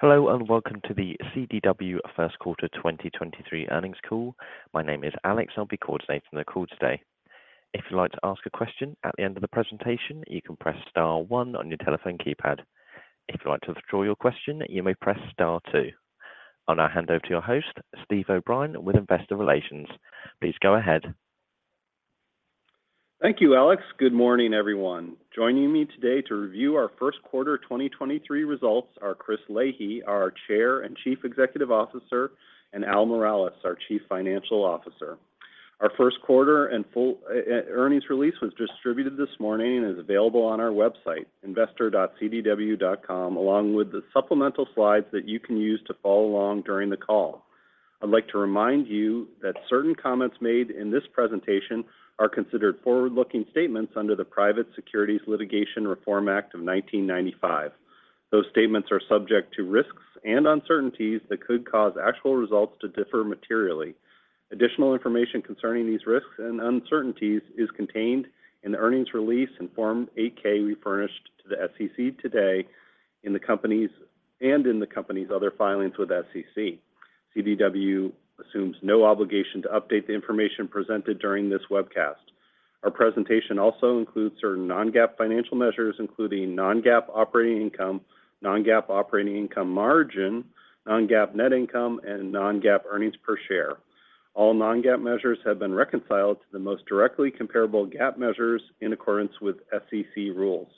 Hello, welcome to the CDW first quarter 2023 earnings call. My name is Alex. I'll be coordinating the call today. If you'd like to ask a question at the end of the presentation, you can press star one on your telephone keypad. If you'd like to withdraw your question, you may press star two. I'll now hand over to your host, Steve O'Brien, with Investor Relations. Please go ahead. Thank you, Alex. Good morning, everyone. Joining me today to review our first quarter 2023 results are Chris Leahy, our Chair and Chief Executive Officer, and Al Miralles, our Chief Financial Officer. Our first quarter and full earnings release was distributed this morning and is available on our website, investor.cdw.com, along with the supplemental slides that you can use to follow along during the call. I'd like to remind you that certain comments made in this presentation are considered forward-looking statements under the Private Securities Litigation Reform Act of 1995. Those statements are subject to risks and uncertainties that could cause actual results to differ materially. Additional information concerning these risks and uncertainties is contained in the earnings release and Form 8-K we furnished to the SEC today and in the company's other filings with SEC. CDW assumes no obligation to update the information presented during this webcast. Our presentation also includes certain non-GAAP financial measures, including non-GAAP operating income, non-GAAP operating income margin, non-GAAP net income, and non-GAAP earnings per share. All non-GAAP measures have been reconciled to the most directly comparable GAAP measures in accordance with SEC rules.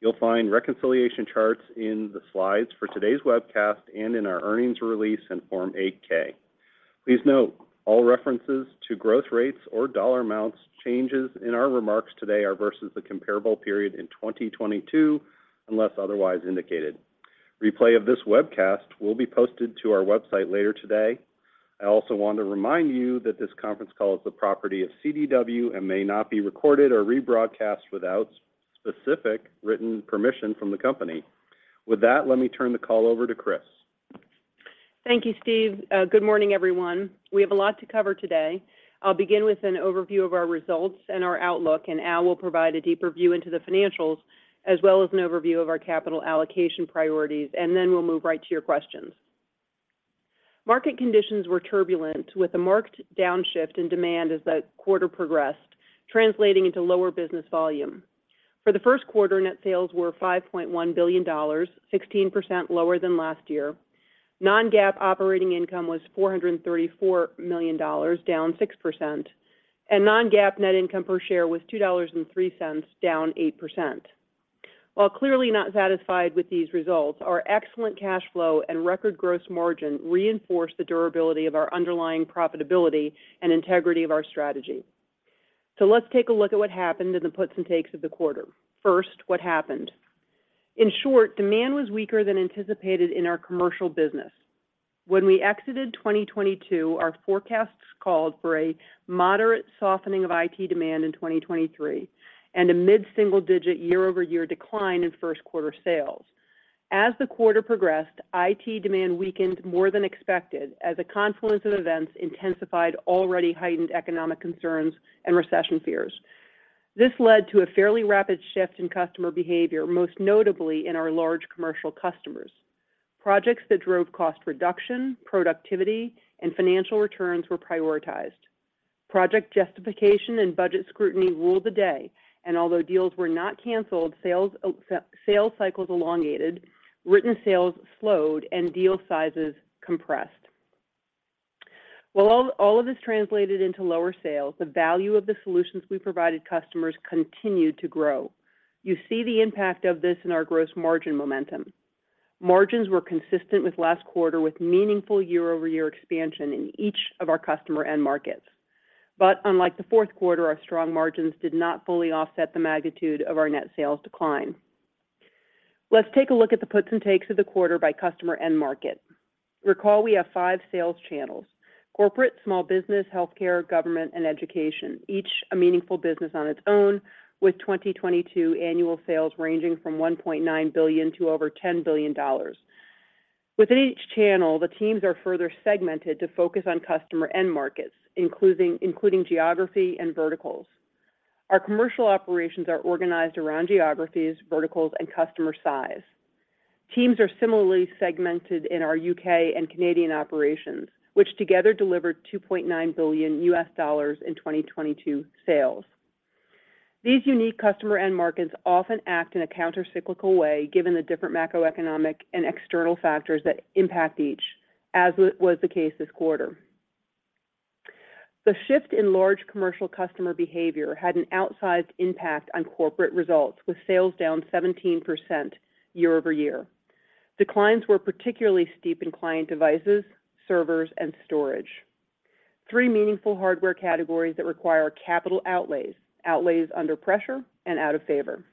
You'll find reconciliation charts in the slides for today's webcast and in our earnings release and Form 8-K. Please note all references to growth rates or dollar amounts changes in our remarks today are versus the comparable period in 2022, unless otherwise indicated. Replay of this webcast will be posted to our website later today. I also want to remind you that this conference call is the property of CDW and may not be recorded or rebroadcast without specific written permission from the company. With that, let me turn the call over to Chris. Thank you, Steve. Good morning, everyone. We have a lot to cover today. I'll begin with an overview of our results and our outlook, and Al will provide a deeper view into the financials as well as an overview of our capital allocation priorities, and then we'll move right to your questions. Market conditions were turbulent, with a marked downshift in demand as the quarter progressed, translating into lower business volume. For the first quarter, net sales were $5.1 billion, 16% lower than last year. Non-GAAP operating income was $434 million, down 6%, and non-GAAP net income per share was $2.03, down 8%. While clearly not satisfied with these results, our excellent cash flow and record gross margin reinforce the durability of our underlying profitability and integrity of our strategy. Let's take a look at what happened in the puts and takes of the quarter. First, what happened? In short, demand was weaker than anticipated in our commercial business. When we exited 2022, our forecasts called for a moderate softening of IT demand in 2023 and a mid-single-digit year-over-year decline in first quarter sales. As the quarter progressed, IT demand weakened more than expected as a confluence of events intensified already heightened economic concerns and recession fears. This led to a fairly rapid shift in customer behavior, most notably in our large commercial customers. Projects that drove cost reduction, productivity, and financial returns were prioritized. Project justification and budget scrutiny ruled the day, and although deals were not canceled, sales, sale cycles elongated, written sales slowed, and deal sizes compressed. All of this translated into lower sales, the value of the solutions we provided customers continued to grow. You see the impact of this in our gross margin momentum. Margins were consistent with last quarter with meaningful year-over-year expansion in each of our customer end markets. Unlike the fourth quarter, our strong margins did not fully offset the magnitude of our net sales decline. Let's take a look at the puts and takes of the quarter by customer end market. Recall we have five sales channels: corporate, small business, healthcare, government, and education. Each a meaningful business on its own with 2022 annual sales ranging from $1.9 billion to over $10 billion. Within each channel, the teams are further segmented to focus on customer end markets, including geography and verticals. Our commercial operations are organized around geographies, verticals, and customer size. Teams are similarly segmented in our U.K. and Canadian operations, which together delivered $2.9 billion in 2022 sales. These unique customer end markets often act in a countercyclical way, given the different macroeconomic and external factors that impact each, as was the case this quarter. The shift in large commercial customer behavior had an outsized impact on corporate results, with sales down 17% year-over-year. Declines were particularly steep in client devices, servers, and storage. Three meaningful hardware categories that require capital outlays under pressure and out of favor.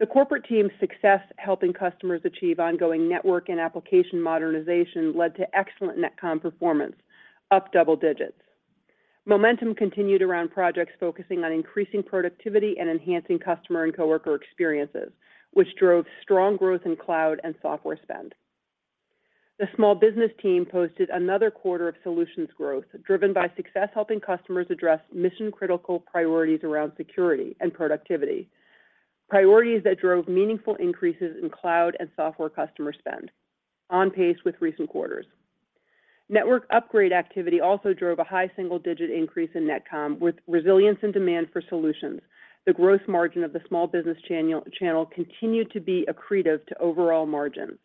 The corporate team's success helping customers achieve ongoing network and application modernization led to excellent NetComm performance, up double digits. Momentum continued around projects focusing on increasing productivity and enhancing customer and coworker experiences, which drove strong growth in cloud and software spend. The small business team posted another quarter of solutions growth, driven by success helping customers address mission-critical priorities around security and productivity. Priorities that drove meaningful increases in cloud and software customer spend on pace with recent quarters. Network upgrade activity also drove a high single-digit increase in NetComm with resilience and demand for solutions. The gross margin of the small business channel continued to be accretive to overall margins.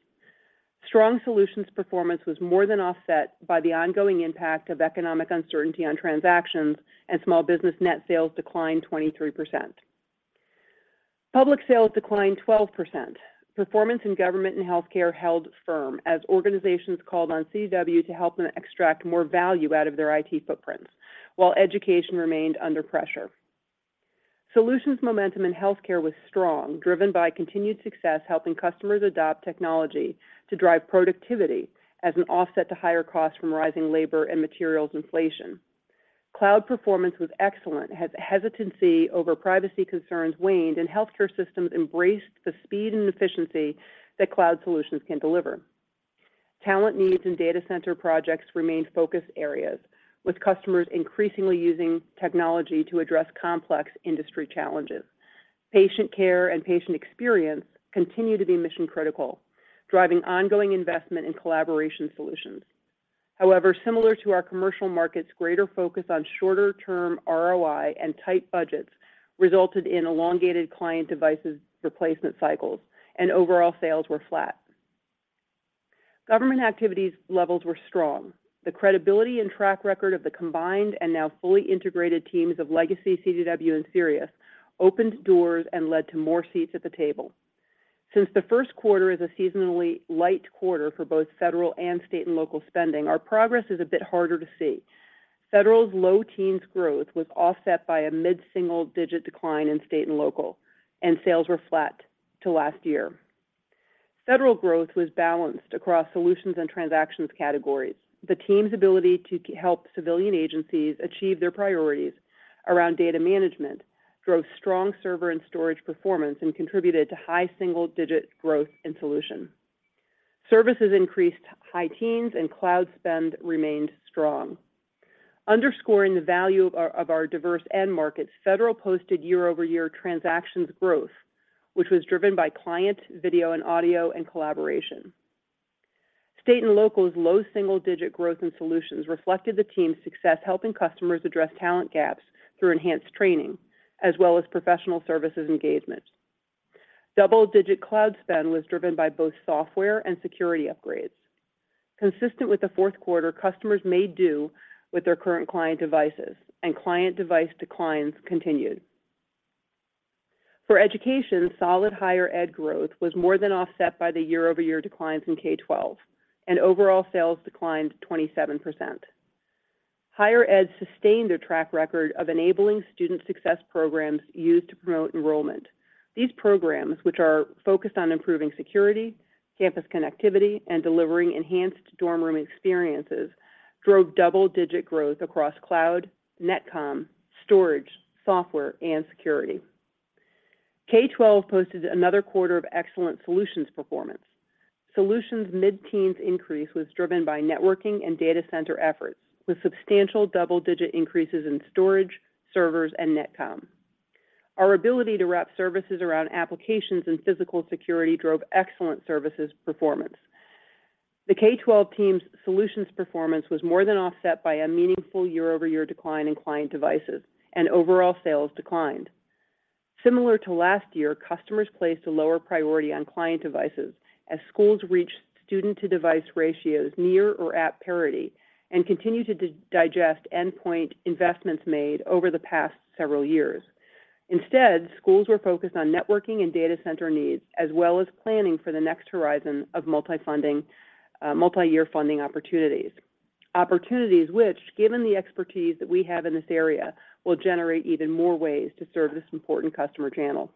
Strong solutions performance was more than offset by the ongoing impact of economic uncertainty on transactions. Small business net sales declined 23%. Public sales declined 12%. Performance in government and healthcare held firm as organizations called on CDW to help them extract more value out of their IT footprints, while education remained under pressure. Solutions momentum in healthcare was strong, driven by continued success helping customers adopt technology to drive productivity as an offset to higher costs from rising labor and materials inflation. Cloud performance was excellent as hesitancy over privacy concerns waned, and healthcare systems embraced the speed and efficiency that cloud solutions can deliver. Talent needs and data center projects remained focus areas, with customers increasingly using technology to address complex industry challenges. Patient care and patient experience continue to be mission-critical, driving ongoing investment in collaboration solutions. However, similar to our commercial markets, greater focus on shorter-term ROI and tight budgets resulted in elongated client devices replacement cycles and overall sales were flat. Government activities levels were strong. The credibility and track record of the combined and now fully integrated teams of Legacy CDW and Sirius opened doors and led to more seats at the table. Since the first quarter is a seasonally light quarter for both federal and state and local spending, our progress is a bit harder to see. Federal's low teens growth was offset by a mid-single digit decline in state and local, and sales were flat to last year. Federal growth was balanced across solutions and transactions categories. The team's ability to help civilian agencies achieve their priorities around data management drove strong server and storage performance and contributed to high single-digit growth in solution. Services increased high teens and cloud spend remained strong. Underscoring the value of our diverse end markets, federal posted year-over-year transactions growth, which was driven by client video and audio and collaboration. State and local's low single-digit growth in solutions reflected the team's success helping customers address talent gaps through enhanced training as well as professional services engagement. Double-digit cloud spend was driven by both software and security upgrades. Consistent with the fourth quarter, customers made do with their current client devices, and client device declines continued. For education, solid higher ed growth was more than offset by the year-over-year declines in K12, and overall sales declined 27%. Higher ed sustained a track record of enabling student success programs used to promote enrollment. These programs, which are focused on improving security, campus connectivity, and delivering enhanced dorm room experiences, drove double-digit growth across cloud, NetComm, storage, software, and security. K12 posted another quarter of excellent solutions performance. Solutions mid-teens increase was driven by networking and data center efforts, with substantial double-digit increases in storage, servers, and NetComm. Our ability to wrap services around applications and physical security drove excellent services performance. The K12 team's solutions performance was more than offset by a meaningful year-over-year decline in client devices, and overall sales declined. Similar to last year, customers placed a lower priority on client devices as schools reached student-to-device ratios near or at parity and continued to digest endpoint investments made over the past several years. Instead, schools were focused on networking and data center needs, as well as planning for the next horizon of multi-year funding opportunities. Opportunities which, given the expertise that we have in this area, will generate even more ways to serve this important customer channel.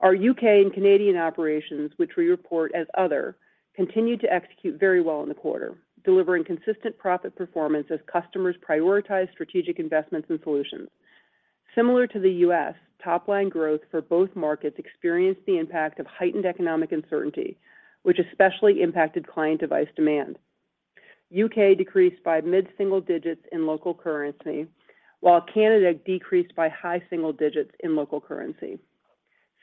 Our U.K. and Canadian operations, which we report as other, continued to execute very well in the quarter, delivering consistent profit performance as customers prioritize strategic investments in solutions. Similar to the U.S., top-line growth for both markets experienced the impact of heightened economic uncertainty, which especially impacted client device demand. U.K. decreased by mid-single digits in local currency, while Canada decreased by high single digits in local currency.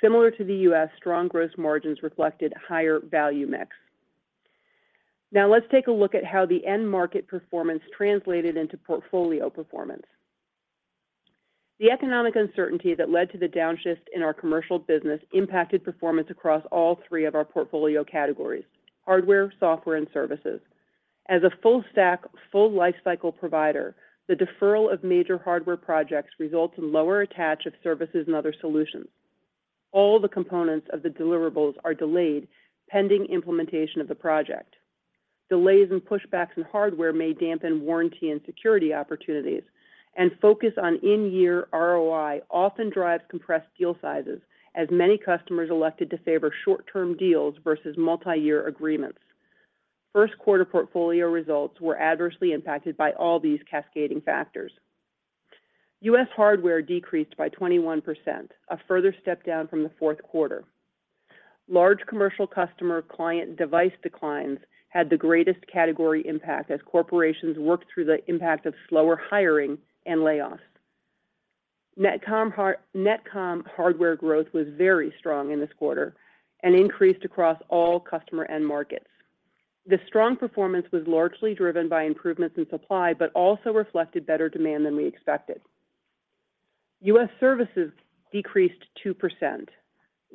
Similar to the U.S., strong gross margins reflected higher value mix. Now let's take a look at how the end market performance translated into portfolio performance. The economic uncertainty that led to the downshift in our commercial business impacted performance across all three of our portfolio categories: hardware, software, and services. As a full stack, full lifecycle provider, the deferral of major hardware projects results in lower attach of services and other solutions. All the components of the deliverables are delayed pending implementation of the project. Delays and pushbacks in hardware may dampen warranty and security opportunities, focus on in-year ROI often drives compressed deal sizes as many customers elected to favor short-term deals versus multi-year agreements. First quarter portfolio results were adversely impacted by all these cascading factors. U.S. hardware decreased by 21%, a further step down from the fourth quarter. Large commercial customer client device declines had the greatest category impact as corporations worked through the impact of slower hiring and layoffs. NetComm hardware growth was very strong in this quarter and increased across all customer end markets. This strong performance was largely driven by improvements in supply, also reflected better demand than we expected. U.S. services decreased 2%.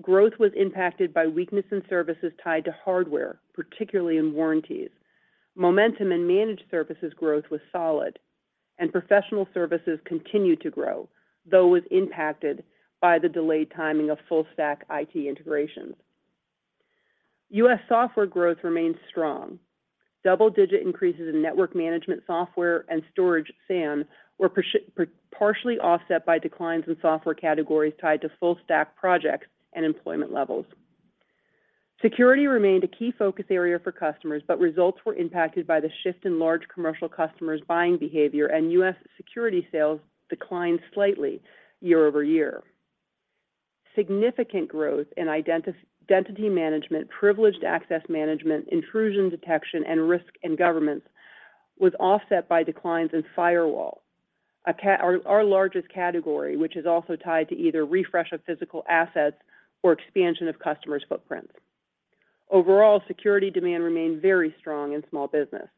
Growth was impacted by weakness in services tied to hardware, particularly in warranties. Momentum and managed services growth was solid, and professional services continued to grow, though was impacted by the delayed timing of full stack IT integrations. U.S. software growth remained strong. Double-digit increases in network management software and storage SAN were partially offset by declines in software categories tied to full stack projects and employment levels. Security remained a key focus area for customers, but results were impacted by the shift in large commercial customers' buying behavior, and U.S. security sales declined slightly year-over-year. Significant growth in identity management, privileged access management, intrusion detection, and risk in governments was offset by declines in firewall, our largest category, which is also tied to either refresh of physical assets or expansion of customers' footprints. Overall, security demand remained very strong in small business.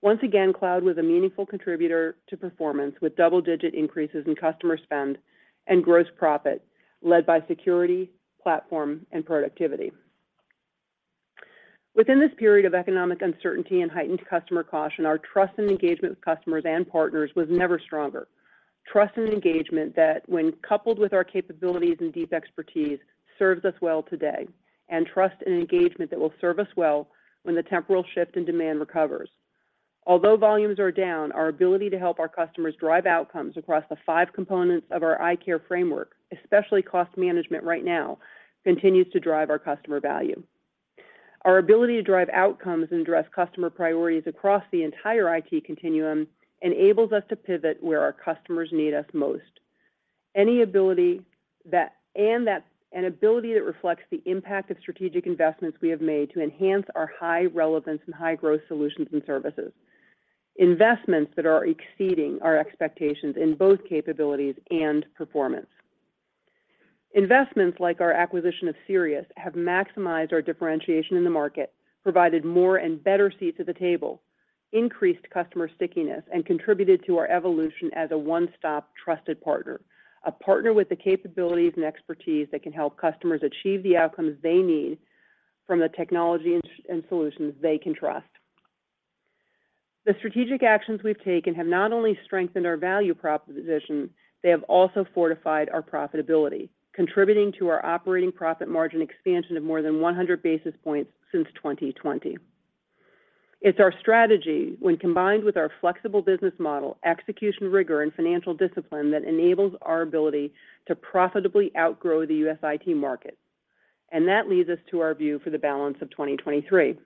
Once again, cloud was a meaningful contributor to performance, with double-digit increases in customer spend and gross profit led by security, platform, and productivity. Within this period of economic uncertainty and heightened customer caution, our trust and engagement with customers and partners was never stronger. Trust and engagement that when coupled with our capabilities and deep expertise, serves us well today, and trust and engagement that will serve us well when the temporal shift in demand recovers. Although volumes are down, our ability to help our customers drive outcomes across the five components of our ICARE framework, especially cost management right now, continues to drive our customer value. Our ability to drive outcomes and address customer priorities across the entire IT continuum enables us to pivot where our customers need us most. Any ability that reflects the impact of strategic investments we have made to enhance our high relevance and high growth solutions and services, investments that are exceeding our expectations in both capabilities and performance. Investments like our acquisition of Sirius have maximized our differentiation in the market, provided more and better seats at the table, increased customer stickiness, and contributed to our evolution as a one-stop trusted partner. A partner with the capabilities and expertise that can help customers achieve the outcomes they need from the technology and solutions they can trust. The strategic actions we've taken have not only strengthened our value proposition, they have also fortified our profitability, contributing to our operating profit margin expansion of more than 100 basis points since 2020. It's our strategy when combined with our flexible business model, execution rigor, and financial discipline that enables our ability to profitably outgrow the U.S. IT market. That leads us to our view for the balance of 2023.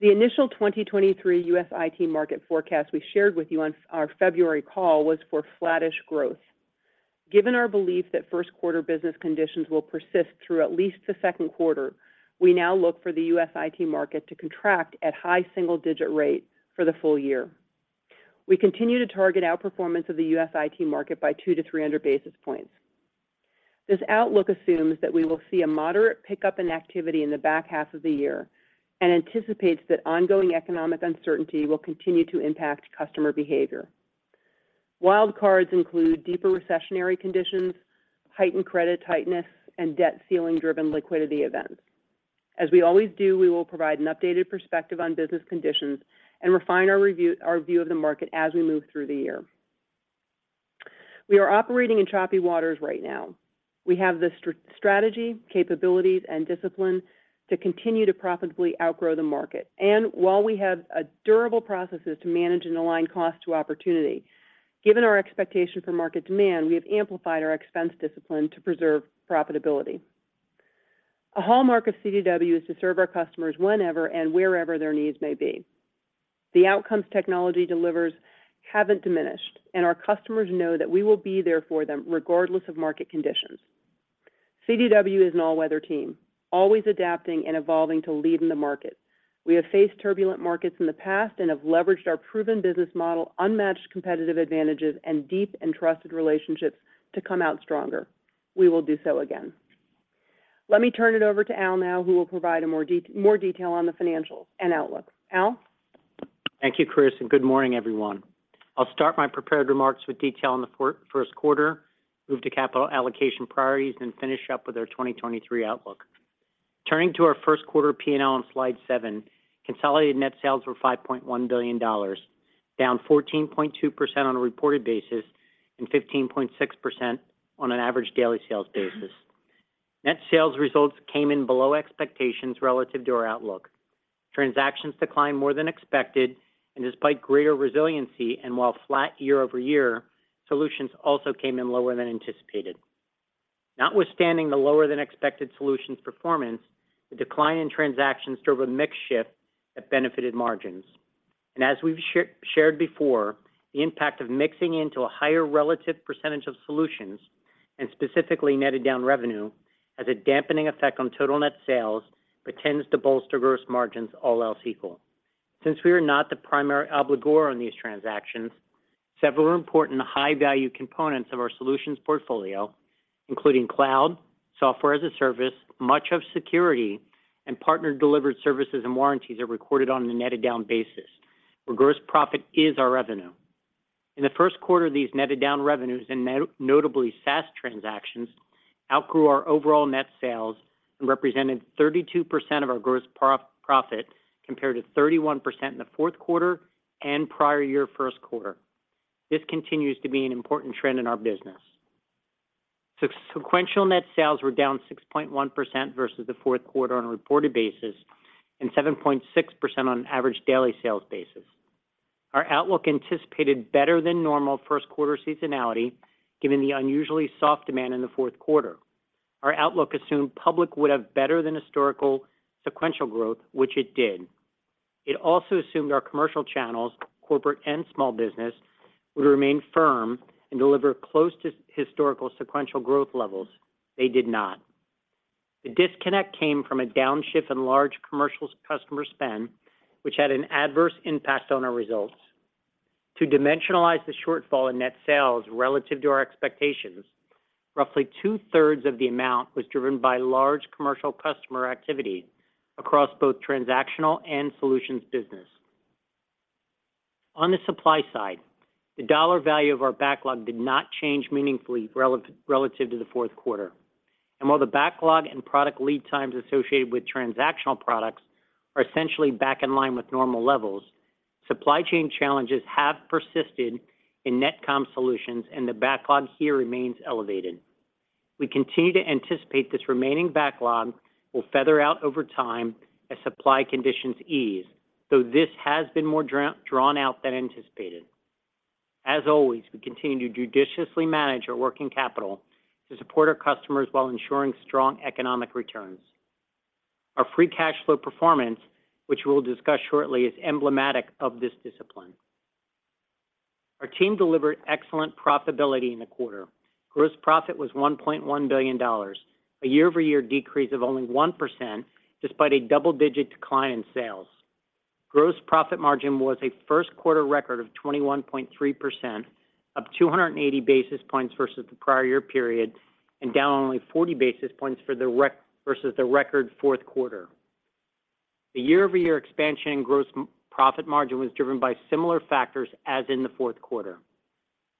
The initial 2023 U.S. IT market forecast we shared with you on our February call was for flattish growth. Given our belief that first quarter business conditions will persist through at least the second quarter, we now look for the U.S. IT market to contract at high single digit rate for the full year. We continue to target outperformance of the U.S. IT market by 200-300 basis points. This outlook assumes that we will see a moderate pickup in activity in the back half of the year and anticipates that ongoing economic uncertainty will continue to impact customer behavior. Wild cards include deeper recessionary conditions, heightened credit tightness, and debt ceiling-driven liquidity events. As we always do, we will provide an updated perspective on business conditions and refine our view of the market as we move through the year. We are operating in choppy waters right now. We have the strategy, capabilities, and discipline to continue to profitably outgrow the market. While we have durable processes to manage and align cost to opportunity, given our expectation for market demand, we have amplified our expense discipline to preserve profitability. A hallmark of CDW is to serve our customers whenever and wherever their needs may be. The outcomes technology delivers haven't diminished, and our customers know that we will be there for them regardless of market conditions. CDW is an all-weather team, always adapting and evolving to lead in the market. We have faced turbulent markets in the past and have leveraged our proven business model, unmatched competitive advantages, and deep and trusted relationships to come out stronger. We will do so again. Let me turn it over to Al now, who will provide a more detail on the financials and outlook. Al? Thank you, Chris, good morning, everyone. I'll start my prepared remarks with detail on the first quarter, move to capital allocation priorities, and finish up with our 2023 outlook. Turning to our first quarter P&L on slide 7, consolidated net sales were $5.1 billion, down 14.2% on a reported basis, and 15.6% on an average daily sales basis. Net sales results came in below expectations relative to our outlook. Transactions declined more than expected, despite greater resiliency and while flat year-over-year, solutions also came in lower than anticipated. Notwithstanding the lower than expected solutions performance, the decline in transactions drove a mix shift that benefited margins. As we've shared before, the impact of mixing into a higher relative percentage of solutions, and specifically netted down revenue, has a dampening effect on total net sales, but tends to bolster gross margins all else equal. Since we are not the primary obligor on these transactions, several important high-value components of our solutions portfolio, including cloud, software as a service, much of security, and partner-delivered services and warranties, are recorded on a netted down basis, where gross profit is our revenue. In the first quarter, these netted down revenues, and notably SaaS transactions, outgrew our overall net sales and represented 32% of our gross profit, compared to 31% in the fourth quarter and prior year first quarter. This continues to be an important trend in our business. Sequential net sales were down 6.1% versus the fourth quarter on a reported basis and 7.6% on an average daily sales basis. Our outlook anticipated better than normal first quarter seasonality, given the unusually soft demand in the fourth quarter. Our outlook assumed public would have better than historical sequential growth, which it did. It also assumed our commercial channels, corporate and small business, would remain firm and deliver close to historical sequential growth levels. They did not. The disconnect came from a downshift in large commercial customer spend, which had an adverse impact on our results. To dimensionalize the shortfall in net sales relative to our expectations, roughly two-thirds of the amount was driven by large commercial customer activity across both transactional and solutions business. On the supply side, the dollar value of our backlog did not change meaningfully relative to the fourth quarter. While the backlog and product lead times associated with transactional products are essentially back in line with normal levels, supply chain challenges have persisted in NetComm solutions, and the backlog here remains elevated. We continue to anticipate this remaining backlog will feather out over time as supply conditions ease, though this has been more drawn out than anticipated. As always, we continue to judiciously manage our working capital to support our customers while ensuring strong economic returns. Our free cash flow performance, which we'll discuss shortly, is emblematic of this discipline. Our team delivered excellent profitability in the quarter. Gross profit was $1.1 billion, a year-over-year decrease of only 1% despite a double-digit decline in sales. Gross profit margin was a first quarter record of 21.3%, up 280 basis points versus the prior year period. Down only 40 basis points versus the record fourth quarter. The year-over-year expansion in gross profit margin was driven by similar factors as in the fourth quarter.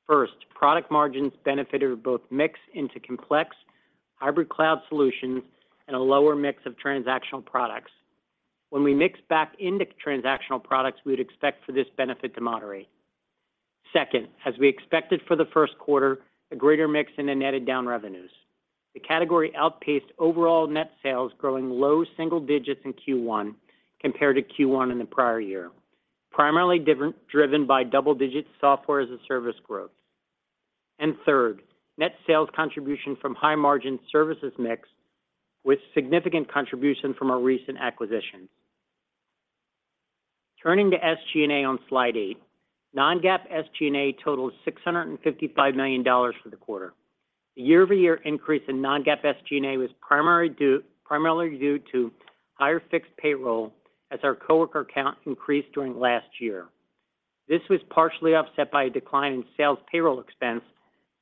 First, product margins benefited both mix into complex hybrid cloud solutions and a lower mix of transactional products. When we mix back into transactional products, we would expect for this benefit to moderate. Second, as we expected for the first quarter, a greater mix in the netted down revenues. The category outpaced overall net sales growing low single digits in Q1 compared to Q1 in the prior year, primarily driven by double-digit Software as a Service growth. Third, net sales contribution from high-margin services mix with significant contribution from our recent acquisitions. Turning to SG&A on slide 8. Non-GAAP SG&A totaled $655 million for the quarter. The year-over-year increase in non-GAAP SG&A was primarily due to higher fixed payroll as our co-worker count increased during last year. This was partially offset by a decline in sales payroll expense,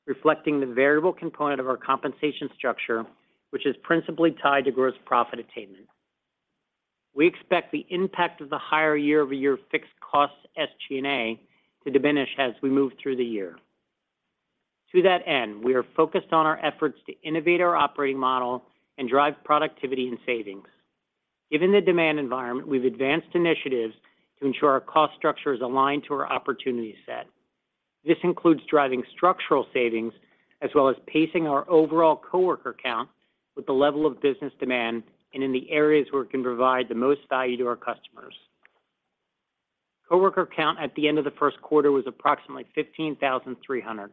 reflecting the variable component of our compensation structure, which is principally tied to gross profit attainment. We expect the impact of the higher year-over-year fixed cost SG&A to diminish as we move through the year. To that end, we are focused on our efforts to innovate our operating model and drive productivity and savings. Given the demand environment, we've advanced initiatives to ensure our cost structure is aligned to our opportunity set. This includes driving structural savings as well as pacing our overall coworker count with the level of business demand and in the areas where it can provide the most value to our customers. Coworker count at the end of the first quarter was approximately 15,300,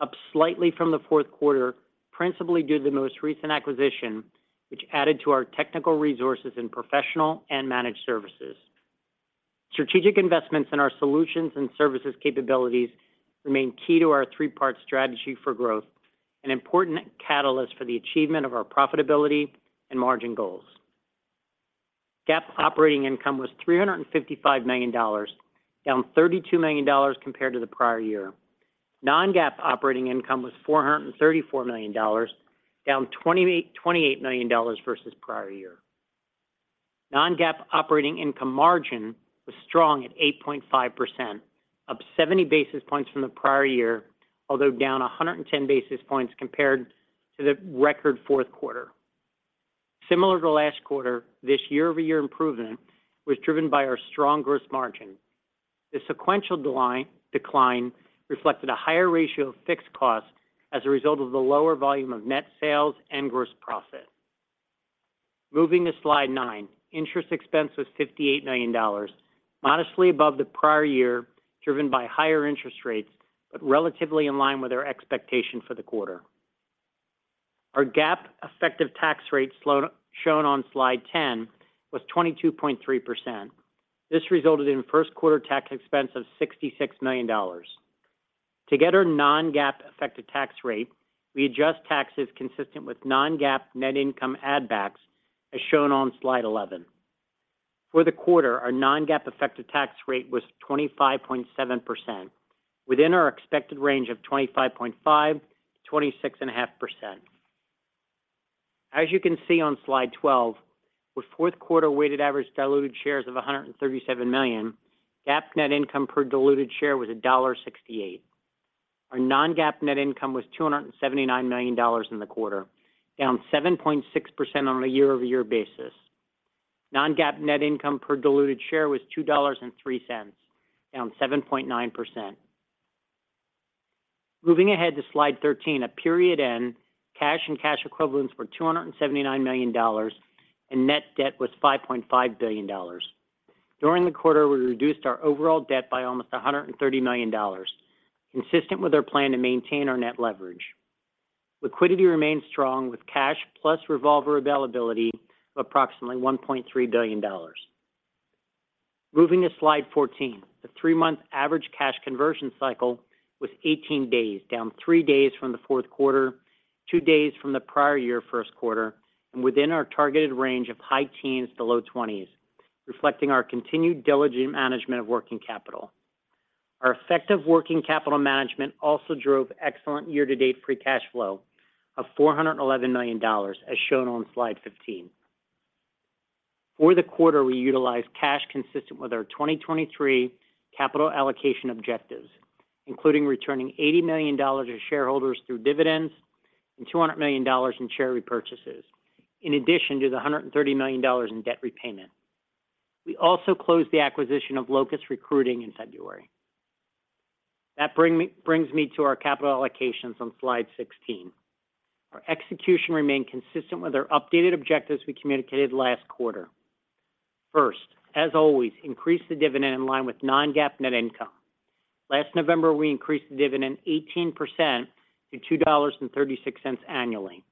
up slightly from the fourth quarter, principally due to the most recent acquisition, which added to our technical resources in professional and managed services. Strategic investments in our solutions and services capabilities remain key to our three-part strategy for growth, an important catalyst for the achievement of our profitability and margin goals. GAAP operating income was $355 million, down $32 million compared to the prior year. Non-GAAP operating income was $434 million, down $28 million versus prior year. non-GAAP operating income margin was strong at 8.5%, up 70 basis points from the prior year, although down 110 basis points compared to the record fourth quarter. Similar to last quarter, this year-over-year improvement was driven by our strong gross margin. The sequential decline reflected a higher ratio of fixed cost as a result of the lower volume of net sales and gross profit. Moving to slide 9. Interest expense was $58 million, modestly above the prior year, driven by higher interest rates, but relatively in line with our expectation for the quarter. Our GAAP effective tax rate shown on slide 10 was 22.3%. This resulted in first quarter tax expense of $66 million. To get our non-GAAP effective tax rate, we adjust taxes consistent with non-GAAP net income add backs, as shown on slide 11. For the quarter, our non-GAAP effective tax rate was 25.7%, within our expected range of 25.5%-26.5%. As you can see on slide 12, with fourth quarter weighted average diluted shares of 137 million, GAAP net income per diluted share was $1.68. Our non-GAAP net income was $279 million in the quarter, down 7.6% on a year-over-year basis. Non-GAAP net income per diluted share was $2.03, down 7.9%. Moving ahead to slide 13. At period end, cash and cash equivalents were $279 million, and net debt was $5.5 billion. During the quarter, we reduced our overall debt by almost $130 million, consistent with our plan to maintain our net leverage. Liquidity remains strong with cash plus revolver availability of approximately $1.3 billion. Moving to slide 14. The three-month average cash conversion cycle was 18 days, down three days from the fourth quarter, two days from the prior year first quarter, and within our targeted range of high teens to low twenties, reflecting our continued diligent management of working capital. Our effective working capital management also drove excellent year-to-date free cash flow of $411 million, as shown on slide 15. For the quarter, we utilized cash consistent with our 2023 capital allocation objectives, including returning $80 million to shareholders through dividends and $200 million in share repurchases. In addition to the $130 million in debt repayment. We also closed the acquisition of Locus Recruiting in February. That brings me to our capital allocations on slide 16. Our execution remained consistent with our updated objectives we communicated last quarter. First, as always, increase the dividend in line with non-GAAP net income. Last November, we increased the dividend 18% to $2.36 annually.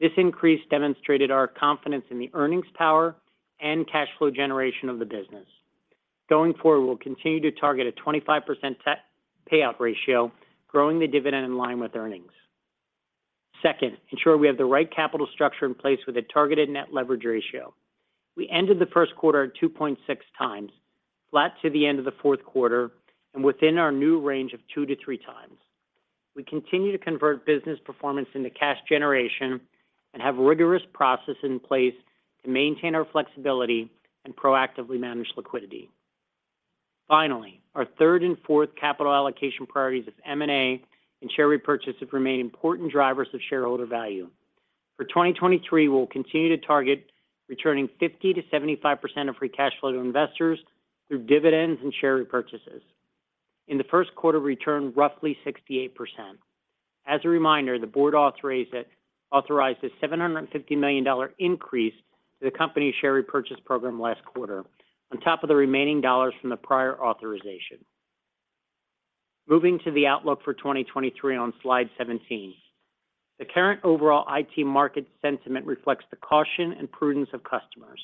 This increase demonstrated our confidence in the earnings power and cash flow generation of the business. Going forward, we'll continue to target a 25% payout ratio, growing the dividend in line with earnings. Ensure we have the right capital structure in place with a targeted net leverage ratio. We ended the first quarter at 2.6x, flat to the end of the fourth quarter and within our new range of 2x-3x. We continue to convert business performance into cash generation and have rigorous processes in place to maintain our flexibility and proactively manage liquidity. Finally, our third and fourth capital allocation priorities of M&A and share repurchase have remained important drivers of shareholder value. For 2023, we'll continue to target returning 50%-75% of free cash flow to investors through dividends and share repurchases. In the first quarter, we returned roughly 68%. As a reminder, the board authorized a $750 million increase to the company's share repurchase program last quarter on top of the remaining dollars from the prior authorization. Moving to the outlook for 2023 on slide 17. The current overall IT market sentiment reflects the caution and prudence of customers.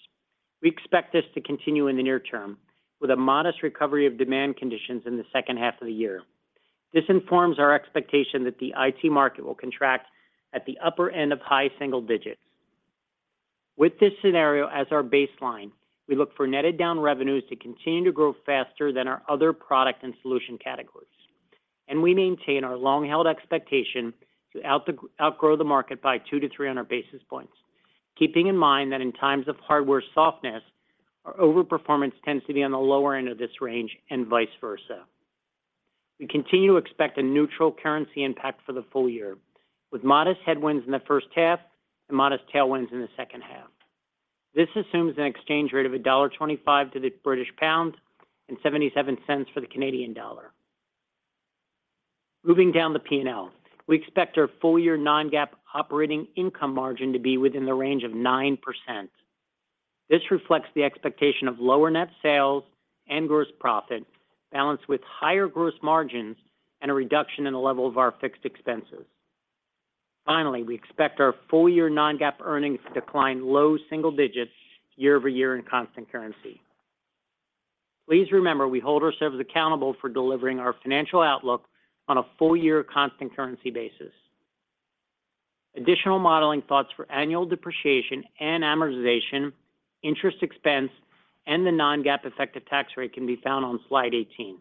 We expect this to continue in the near term, with a modest recovery of demand conditions in the second half of the year. This informs our expectation that the IT market will contract at the upper end of high single digits. With this scenario as our baseline, we look for netted down revenues to continue to grow faster than our other product and solution categories. We maintain our long-held expectation to outgrow the market by two to three on our basis points. Keeping in mind that in times of hardware softness, our overperformance tends to be on the lower end of this range and vice versa. We continue to expect a neutral currency impact for the full year, with modest headwinds in the first half and modest tailwinds in the second half. This assumes an exchange rate of $1.25 to the GBP and $0.77 for the CAD. Moving down the P&L. We expect our full-year non-GAAP operating income margin to be within the range of 9%. This reflects the expectation of lower net sales and gross profit, balanced with higher gross margins and a reduction in the level of our fixed expenses. Finally, we expect our full-year non-GAAP earnings to decline low single digits year-over-year in constant currency. Please remember, we hold ourselves accountable for delivering our financial outlook on a full-year constant currency basis. Additional modeling thoughts for annual depreciation and amortization, interest expense, and the non-GAAP effective tax rate can be found on slide 18.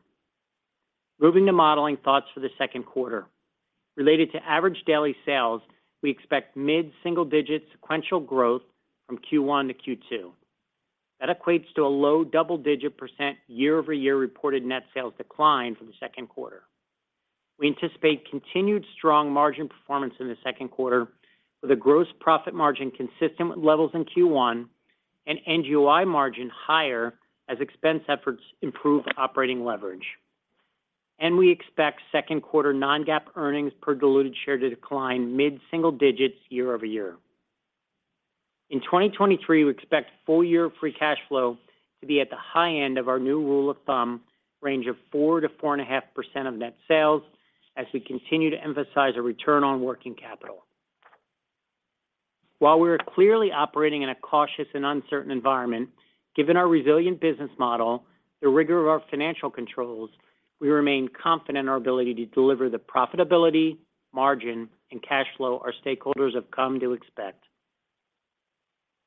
Moving to modeling thoughts for the second quarter. Related to average daily sales, we expect mid-single-digit sequential growth from Q1 to Q2. That equates to a low double-digit % year-over-year reported net sales decline for the second quarter. We anticipate continued strong margin performance in the second quarter, with a gross profit margin consistent with levels in Q1 and NGOI margin higher as expense efforts improve operating leverage. We expect second quarter non-GAAP earnings per diluted share to decline mid-single digits year-over-year. In 2023, we expect full year free cash flow to be at the high end of our new rule of thumb range of 4%-4.5% of net sales as we continue to emphasize a return on working capital. While we are clearly operating in a cautious and uncertain environment, given our resilient business model, the rigor of our financial controls, we remain confident in our ability to deliver the profitability, margin, and cash flow our stakeholders have come to expect.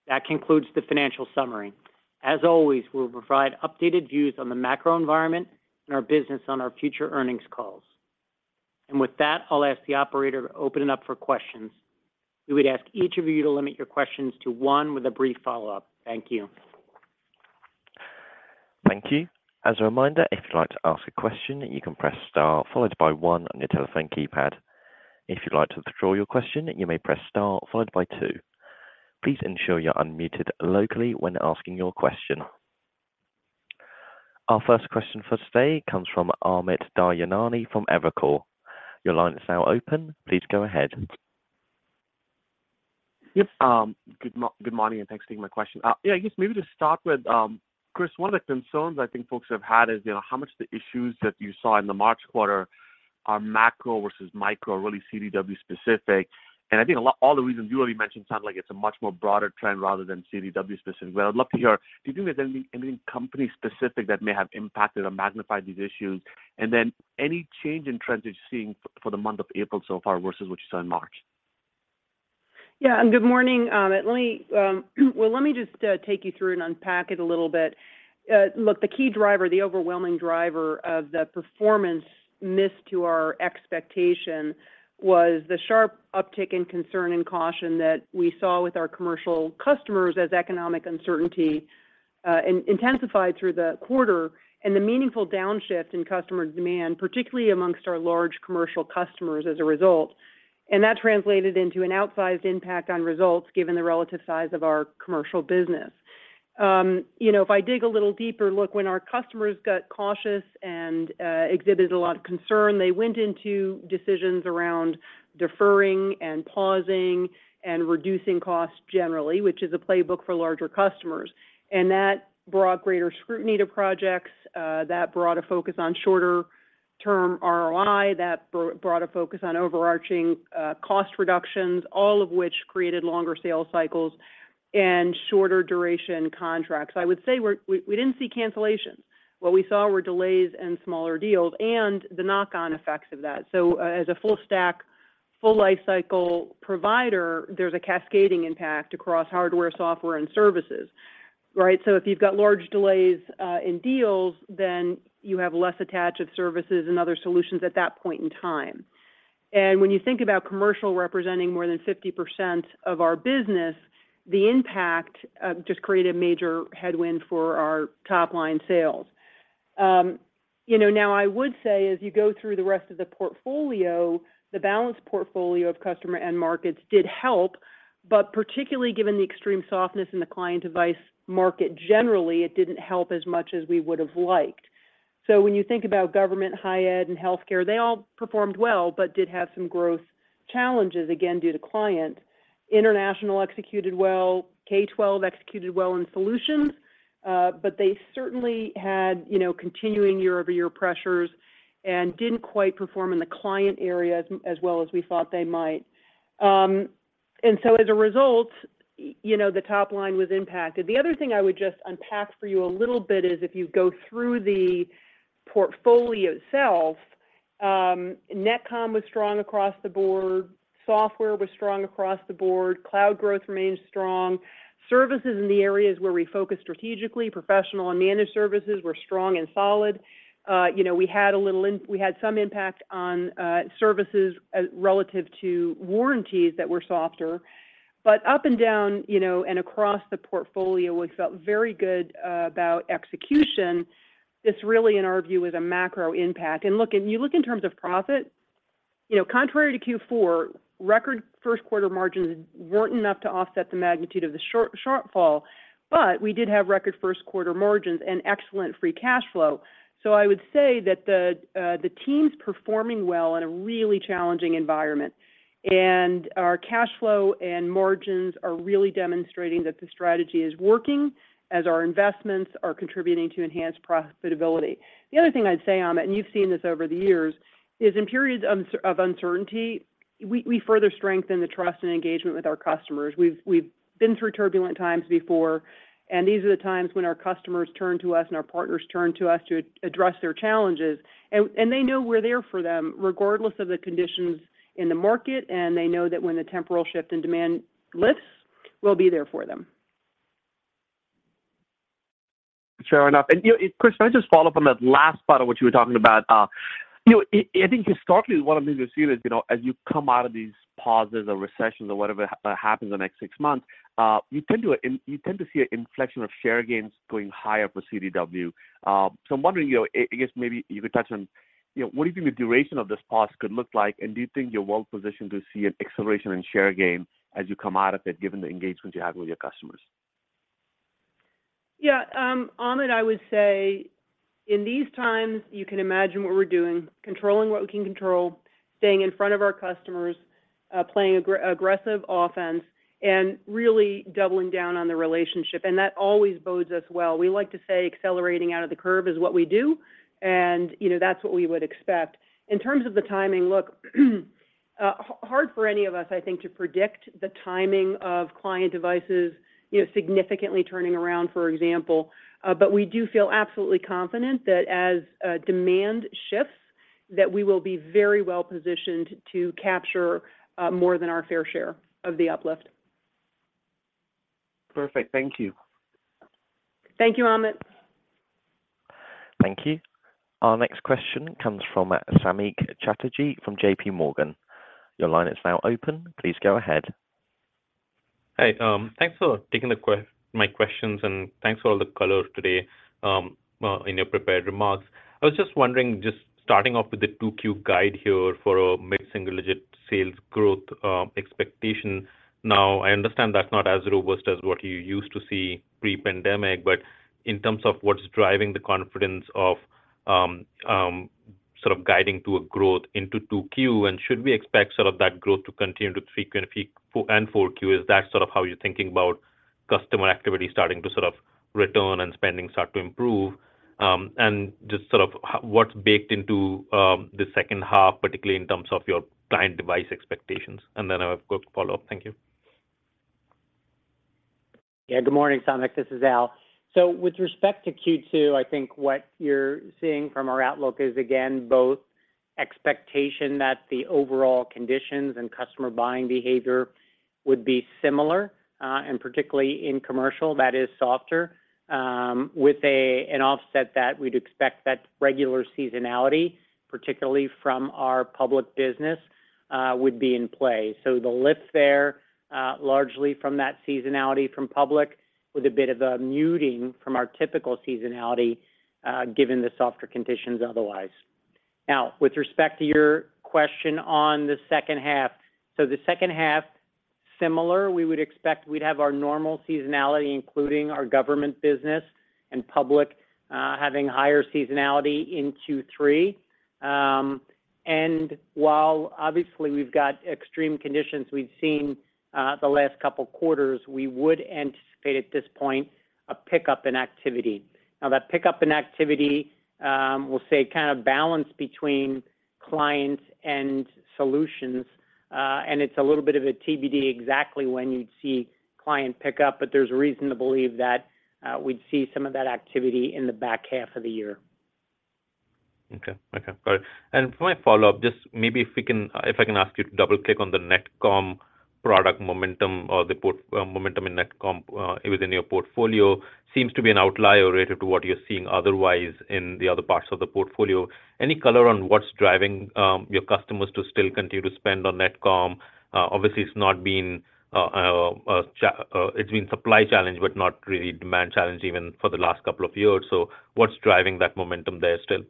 That concludes the financial summary. As always, we'll provide updated views on the macro environment and our business on our future earnings calls. With that, I'll ask the operator to open it up for questions. We would ask each of you to limit your questions to one with a brief follow-up. Thank you. Thank you. As a reminder, if you'd like to ask a question, you can press star followed by one on your telephone keypad. If you'd like to withdraw your question, you may press star followed by two. Please ensure you're unmuted locally when asking your question. Our first question for today comes from Amit Daryanani from Evercore. Your line is now open. Please go ahead. Yep. Good morning, and thanks for taking my question. Yeah, I guess maybe to start with, Chris, one of the concerns I think folks have had is, you know, how much the issues that you saw in the March quarter are macro versus micro or really CDW specific. I think all the reasons you already mentioned sound like it's a much more broader trend rather than CDW specific. I'd love to hear, do you think there's any, anything company specific that may have impacted or magnified these issues? Any change in trends that you're seeing for the month of April so far versus what you saw in March? Good morning, Amit. Let me, well, let me just take you through and unpack it a little bit. Look, the key driver, the overwhelming driver of the performance miss to our expectation was the sharp uptick in concern and caution that we saw with our commercial customers as economic uncertainty intensified through the quarter, and the meaningful downshift in customer demand, particularly amongst our large commercial customers as a result. That translated into an outsized impact on results given the relative size of our commercial business. You know, if I dig a little deeper, look, when our customers got cautious and exhibited a lot of concern, they went into decisions around deferring and pausing and reducing costs generally, which is a playbook for larger customers. That brought greater scrutiny to projects, that brought a focus on shorter-term ROI, that brought a focus on overarching, cost reductions, all of which created longer sales cycles and shorter duration contracts. I would say we didn't see cancellations. What we saw were delays and smaller deals and the knock-on effects of that. As a full stack, full life cycle provider, there's a cascading impact across hardware, software, and services, right? If you've got large delays, in deals, then you have less attached with services and other solutions at that point in time. When you think about commercial representing more than 50% of our business, the impact just created a major headwind for our top-line sales. You know, now I would say as you go through the rest of the portfolio, the balanced portfolio of customer end markets did help, particularly given the extreme softness in the client device market generally, it didn't help as much as we would have liked. When you think about government, high ed, and healthcare, they all performed well but did have some growth challenges, again, due to client. International executed well, K12 executed well in solutions, they certainly had, you know, continuing year-over-year pressures and didn't quite perform in the client area as well as we thought they might. As a result, you know, the top line was impacted. The other thing I would just unpack for you a little bit is if you go through the portfolio itself, NetComm was strong across the board, software was strong across the board, cloud growth remains strong. Services in the areas where we focus strategically, professional and managed services were strong and solid. You know, we had some impact on services relative to warranties that were softer. Up and down, you know, and across the portfolio, we felt very good about execution. This really, in our view, is a macro impact. Look, and you look in terms of profit, you know, contrary to Q4, record first quarter margins weren't enough to offset the magnitude of the shortfall, but we did have record first quarter margins and excellent free cash flow. I would say that the team's performing well in a really challenging environment, and our cash flow and margins are really demonstrating that the strategy is working as our investments are contributing to enhanced profitability. The other thing I'd say, Amit, and you've seen this over the years, is in periods of uncertainty, we further strengthen the trust and engagement with our customers. We've been through turbulent times before, and these are the times when our customers turn to us and our partners turn to us to address their challenges. They know we're there for them regardless of the conditions in the market, and they know that when the temporal shift in demand lifts, we'll be there for them. Fair enough. You know, Chris, can I just follow up on that last part of what you were talking about? You know, I think historically, one of the things we've seen is, you know, as you come out of these pauses or recessions or whatever happens in the next six months, you tend to see an inflection of share gains going higher for CDW. I'm wondering, you know, I guess maybe you could touch on, you know, what do you think the duration of this pause could look like? Do you think you're well-positioned to see an acceleration in share gain as you come out of it, given the engagements you have with your customers? Yeah. Amit, I would say in these times, you can imagine what we're doing, controlling what we can control, staying in front of our customers, playing aggressive offense, and really doubling down on the relationship. That always bodes us well. We like to say accelerating out of the curve is what we do, and, you know, that's what we would expect. In terms of the timing, look, hard for any of us, I think, to predict the timing of client devices, you know, significantly turning around, for example. We do feel absolutely confident that as demand shifts, that we will be very well-positioned to capture more than our fair share of the uplift. Perfect. Thank you. Thank you, Amit. Thank you. Our next question comes from Samik Chatterjee from J.P. Morgan. Your line is now open. Please go ahead. Hey. Thanks for taking my questions, thanks for all the color today in your prepared remarks. I was just wondering, just starting off with the 2Q guide here for a mid-single-digit sales growth expectation. I understand that's not as robust as what you used to see pre-pandemic. In terms of what's driving the confidence of sort of guiding to a growth into 2Q, should we expect sort of that growth to continue to 3Q and 4Q? Is that sort of how you're thinking about customer activity starting to return and spending start to improve? What's baked into the second half, particularly in terms of your client device expectations. Then I've got follow-up. Thank you. Yeah. Good morning, Samik. This is Al. With respect to Q2, I think what you're seeing from our outlook is, again, both expectation that the overall conditions and customer buying behavior would be similar, and particularly in commercial that is softer, with an offset that we'd expect that regular seasonality, particularly from our public business, would be in play. The lift there, largely from that seasonality from public with a bit of a muting from our typical seasonality, given the softer conditions otherwise. With respect to your question on the second half. The second half, similar, we would expect we'd have our normal seasonality, including our government business and public, having higher seasonality in Q3. While obviously we've got extreme conditions we've seen, the last two quarters, we would anticipate at this point a pickup in activity. That pickup in activity, we'll say kind of balance between clients and solutions, and it's a little bit of a TBD exactly when you'd see client pickup, but there's reason to believe that, we'd see some of that activity in the back half of the year. Okay. Okay. Got it. For my follow-up, just maybe if I can ask you to double-click on the NetComm product momentum or the momentum in NetComm within your portfolio. Seems to be an outlier related to what you're seeing otherwise in the other parts of the portfolio. Any color on what's driving your customers to still continue to spend on NetComm? Obviously it's not been supply challenge but not really demand challenge even for the last couple of years. What's driving that momentum there still?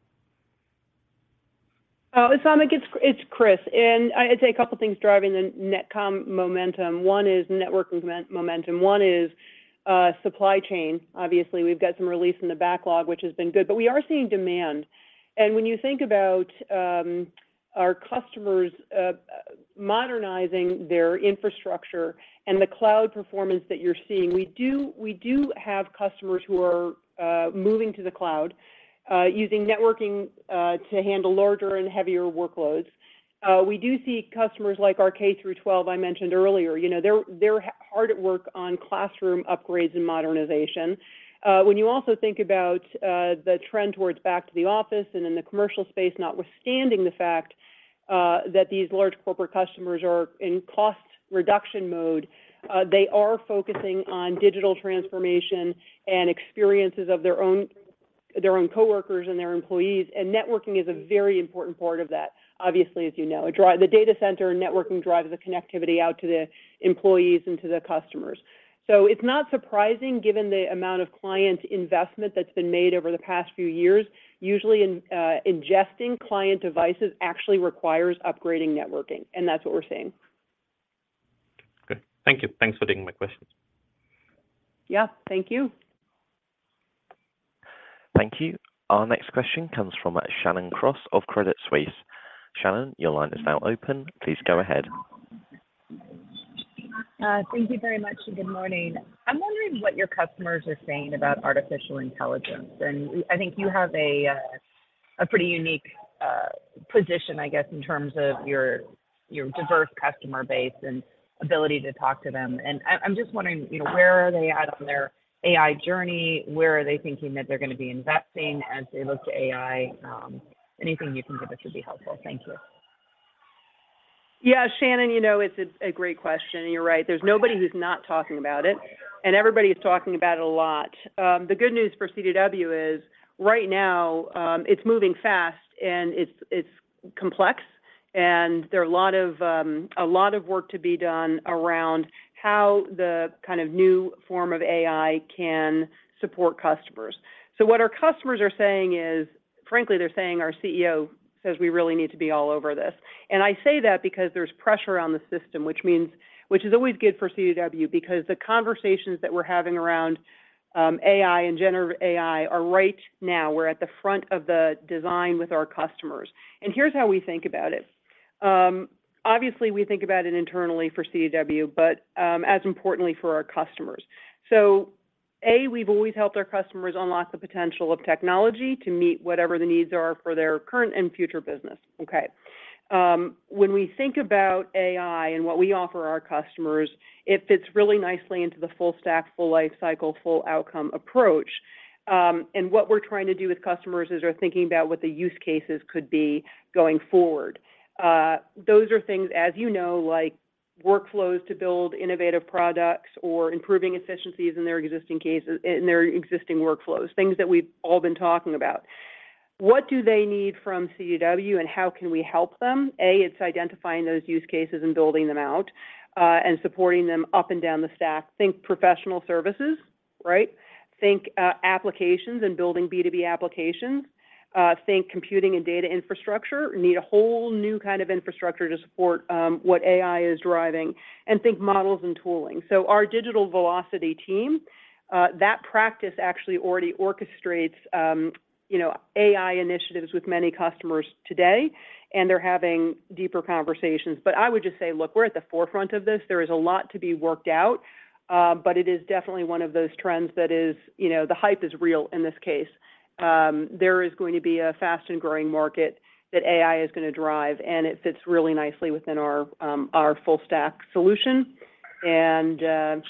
Samik, it's Chris. I'd say a couple things driving the NetComm momentum. One is network momentum. One is supply chain. Obviously, we've got some release in the backlog, which has been good, but we are seeing demand. When you think about our customers modernizing their infrastructure and the cloud performance that you're seeing, we do have customers who are moving to the cloud, using networking to handle larger and heavier workloads. We do see customers like our K through 12 I mentioned earlier. You know, they're hard at work on classroom upgrades and modernization. When you also think about the trend towards back to the office and in the commercial space, notwithstanding the fact that these large corporate customers are in cost reduction mode, they are focusing on digital transformation and experiences of their own, their own coworkers and their employees, and networking is a very important part of that. Obviously, as you know. The data center networking drives the connectivity out to the employees and to the customers. It's not surprising given the amount of client investment that's been made over the past few years. Usually ingesting client devices actually requires upgrading networking, and that's what we're seeing. Okay. Thank you. Thanks for taking my questions. Yeah. Thank you. Thank you. Our next question comes from Shannon Cross of Credit Suisse. Shannon, your line is now open. Please go ahead. Thank you very much, good morning. I'm wondering what your customers are saying about artificial intelligence. I think you have a pretty unique position, I guess, in terms of your diverse customer base and ability to talk to them. I'm just wondering, you know, where are they at on their AI journey? Where are they thinking that they're gonna be investing as they look to AI? Anything you can give us would be helpful. Thank you. Yeah. Shannon, you know, it's a great question, and you're right. There's nobody who's not talking about it, and everybody's talking about it a lot. The good news for CDW is right now, it's moving fast and it's complex. And there are a lot of, a lot of work to be done around how the kind of new form of AI can support customers. What our customers are saying is, frankly, they're saying our CEO says we really need to be all over this. I say that because there's pressure on the system, which means, which is always good for CDW because the conversations that we're having around AI and generative AI are right now. We're at the front of the design with our customers. Here's how we think about it. Obviously, we think about it internally for CDW, but, as importantly for our customers. A, we've always helped our customers unlock the potential of technology to meet whatever the needs are for their current and future business. Okay. When we think about AI and what we offer our customers, it fits really nicely into the full stack, full life cycle, full outcome approach. What we're trying to do with customers is they're thinking about what the use cases could be going forward. Those are things, as you know, like workflows to build innovative products or improving efficiencies in their existing workflows, things that we've all been talking about. What do they need from CDW and how can we help them? A, it's identifying those use cases and building them out, and supporting them up and down the stack. Think professional services, right? Think applications and building B2B applications. Think computing and data infrastructure. Need a whole new kind of infrastructure to support what AI is driving. Think models and tooling. Our Digital Velocity team, that practice actually already orchestrates, you know, AI initiatives with many customers today, and they're having deeper conversations. I would just say, look, we're at the forefront of this. There is a lot to be worked out, but it is definitely one of those trends that is, you know, the hype is real in this case. There is going to be a fast and growing market that AI is gonna drive, and it fits really nicely within our full stack solution. We're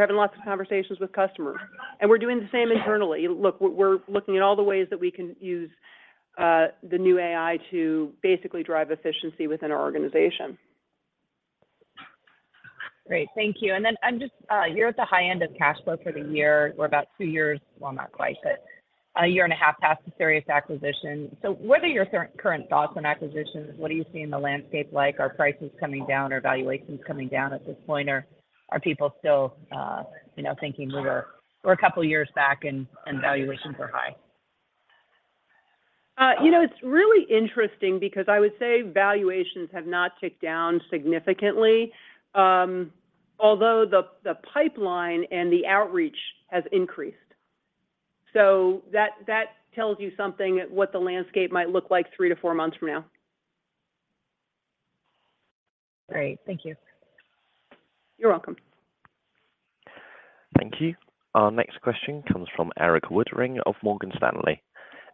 having lots of conversations with customers. We're doing the same internally. Look, we're looking at all the ways that we can use the new AI to basically drive efficiency within our organization. Great. Thank you. Just, you're at the high end of cash flow for the year. We're about two years, well, not quite, but a year and a half past the Sirius acquisition. What are your current thoughts on acquisitions? What do you see in the landscape like? Are prices coming down or valuations coming down at this point, or are people still, you know, thinking we're a couple years back and valuations are high? you know, it's really interesting because I would say valuations have not ticked down significantly, although the pipeline and the outreach has increased. That tells you something at what the landscape might look like three to four months from now. Great. Thank you. You're welcome. Thank you. Our next question comes from Erik Woodring of Morgan Stanley.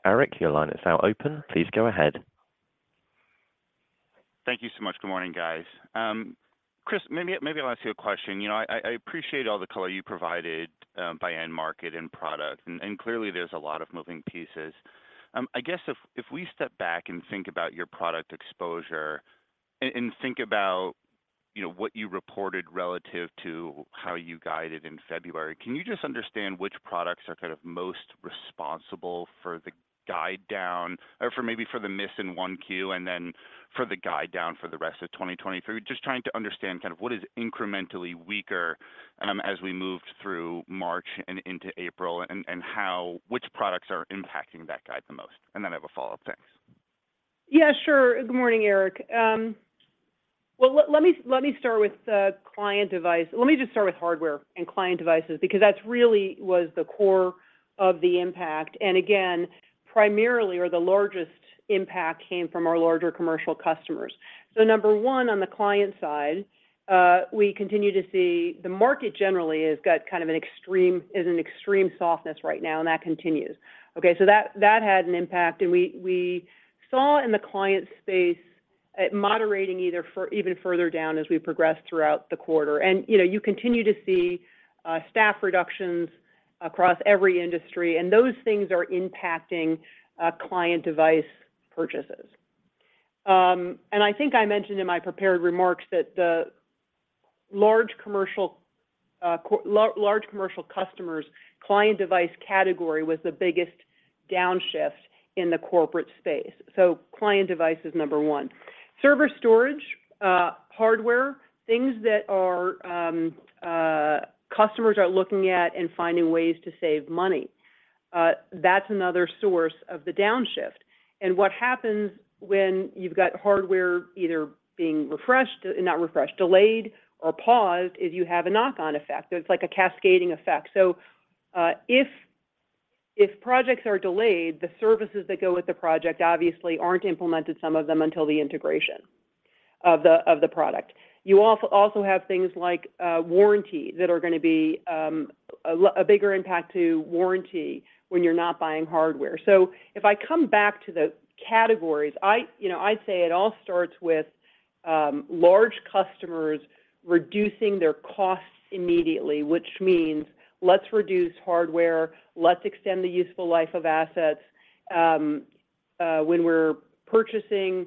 Erik, your line is now open. Please go ahead. Thank you so much. Good morning, guys. Chris, maybe I'll ask you a question. You know, I appreciate all the color you provided, by end market and product, and clearly there's a lot of moving pieces. I guess if we step back and think about your product exposure and think about, you know, what you reported relative to how you guided in February, can you just understand which products are kind of most responsible for the guide down or for the miss in 1Q and then for the guide down for the rest of 2023? Just trying to understand kind of what is incrementally weaker, as we moved through March and into April, and how which products are impacting that guide the most. Then I have a follow-up. Thanks. Yeah, sure. Good morning, Erik. Well, let me start with client device. Let me just start with hardware and client devices because that's really was the core of the impact. Again, primarily or the largest impact came from our larger commercial customers. Number one, on the client side, we continue to see the market generally has got kind of an extreme, is an extreme softness right now, and that continues. Okay. That, that had an impact. We saw in the client space it moderating even further down as we progressed throughout the quarter. You know, you continue to see staff reductions across every industry, and those things are impacting client device purchases. I think I mentioned in my prepared remarks that the large commercial, large commercial customers, client device category was the biggest downshift in the corporate space. Client device is number one. Server storage, hardware, things that are customers are looking at and finding ways to save money, that's another source of the downshift. What happens when you've got hardware either being refreshed, not refreshed, delayed or paused is you have a knock-on effect. It's like a cascading effect. If, if projects are delayed, the services that go with the project obviously aren't implemented some of them until the integration of the, of the product. You also have things like warranty that are gonna be a bigger impact to warranty when you're not buying hardware. If I come back to the categories, I, you know, I'd say it all starts with large customers reducing their costs immediately, which means let's reduce hardware, let's extend the useful life of assets, when we're purchasing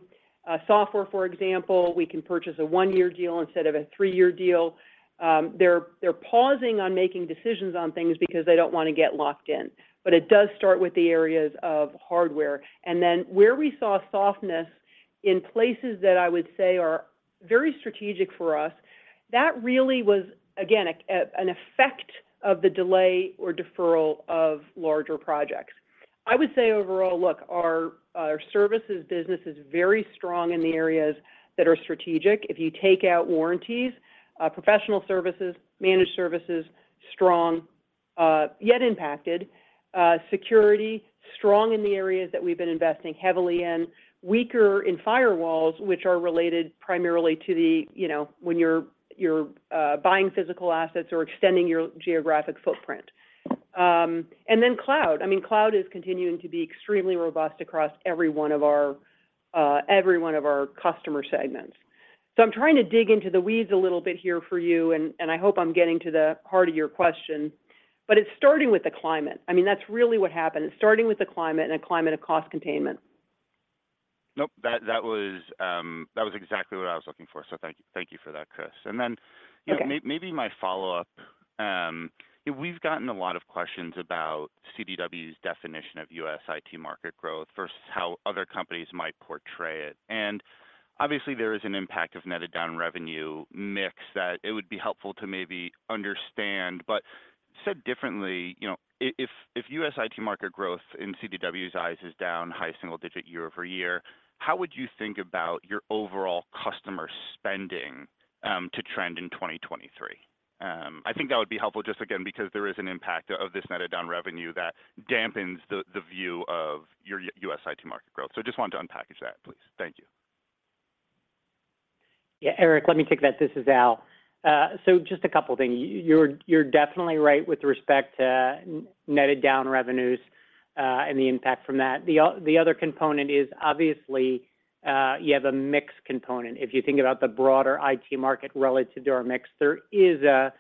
software, for example, we can purchase a one-year deal instead of a three-year deal. They're pausing on making decisions on things because they don't wanna get locked in. It does start with the areas of hardware. Where we saw softness. In places that I would say are very strategic for us, that really was, again, an effect of the delay or deferral of larger projects. I would say overall, look, our services business is very strong in the areas that are strategic. If you take out warranties, professional services, managed services, strong, yet impacted. Security, strong in the areas that we've been investing heavily in, weaker in firewalls, which are related primarily to the, you know, when you're buying physical assets or extending your geographic footprint. Then cloud. I mean, cloud is continuing to be extremely robust across every one of our customer segments. I'm trying to dig into the weeds a little bit here for you, and I hope I'm getting to the heart of your question. It's starting with the climate. I mean, that's really what happened. It's starting with the climate and a climate of cost containment. Nope. That was exactly what I was looking for. Thank you for that, Chris. Okay... maybe my follow-up. We've gotten a lot of questions about CDW's definition of U.S. IT market growth versus how other companies might portray it. Obviously, there is an impact of netted down revenue mix that it would be helpful to maybe understand, but said differently, you know, if U.S. IT market growth in CDW's eyes is down high single-digit year-over-year, how would you think about your overall customer spending to trend in 2023? I think that would be helpful just again, because there is an impact of this netted down revenue that dampens the view of your U.S. IT market growth. Just wanted to unpackage that, please. Thank you. Yeah, Eric, let me take that. This is Al. Just a couple of things. You're definitely right with respect to netted down revenues, and the impact from that. The other component is obviously, you have a mix component. If you think about the broader IT market relative to our mix, there is a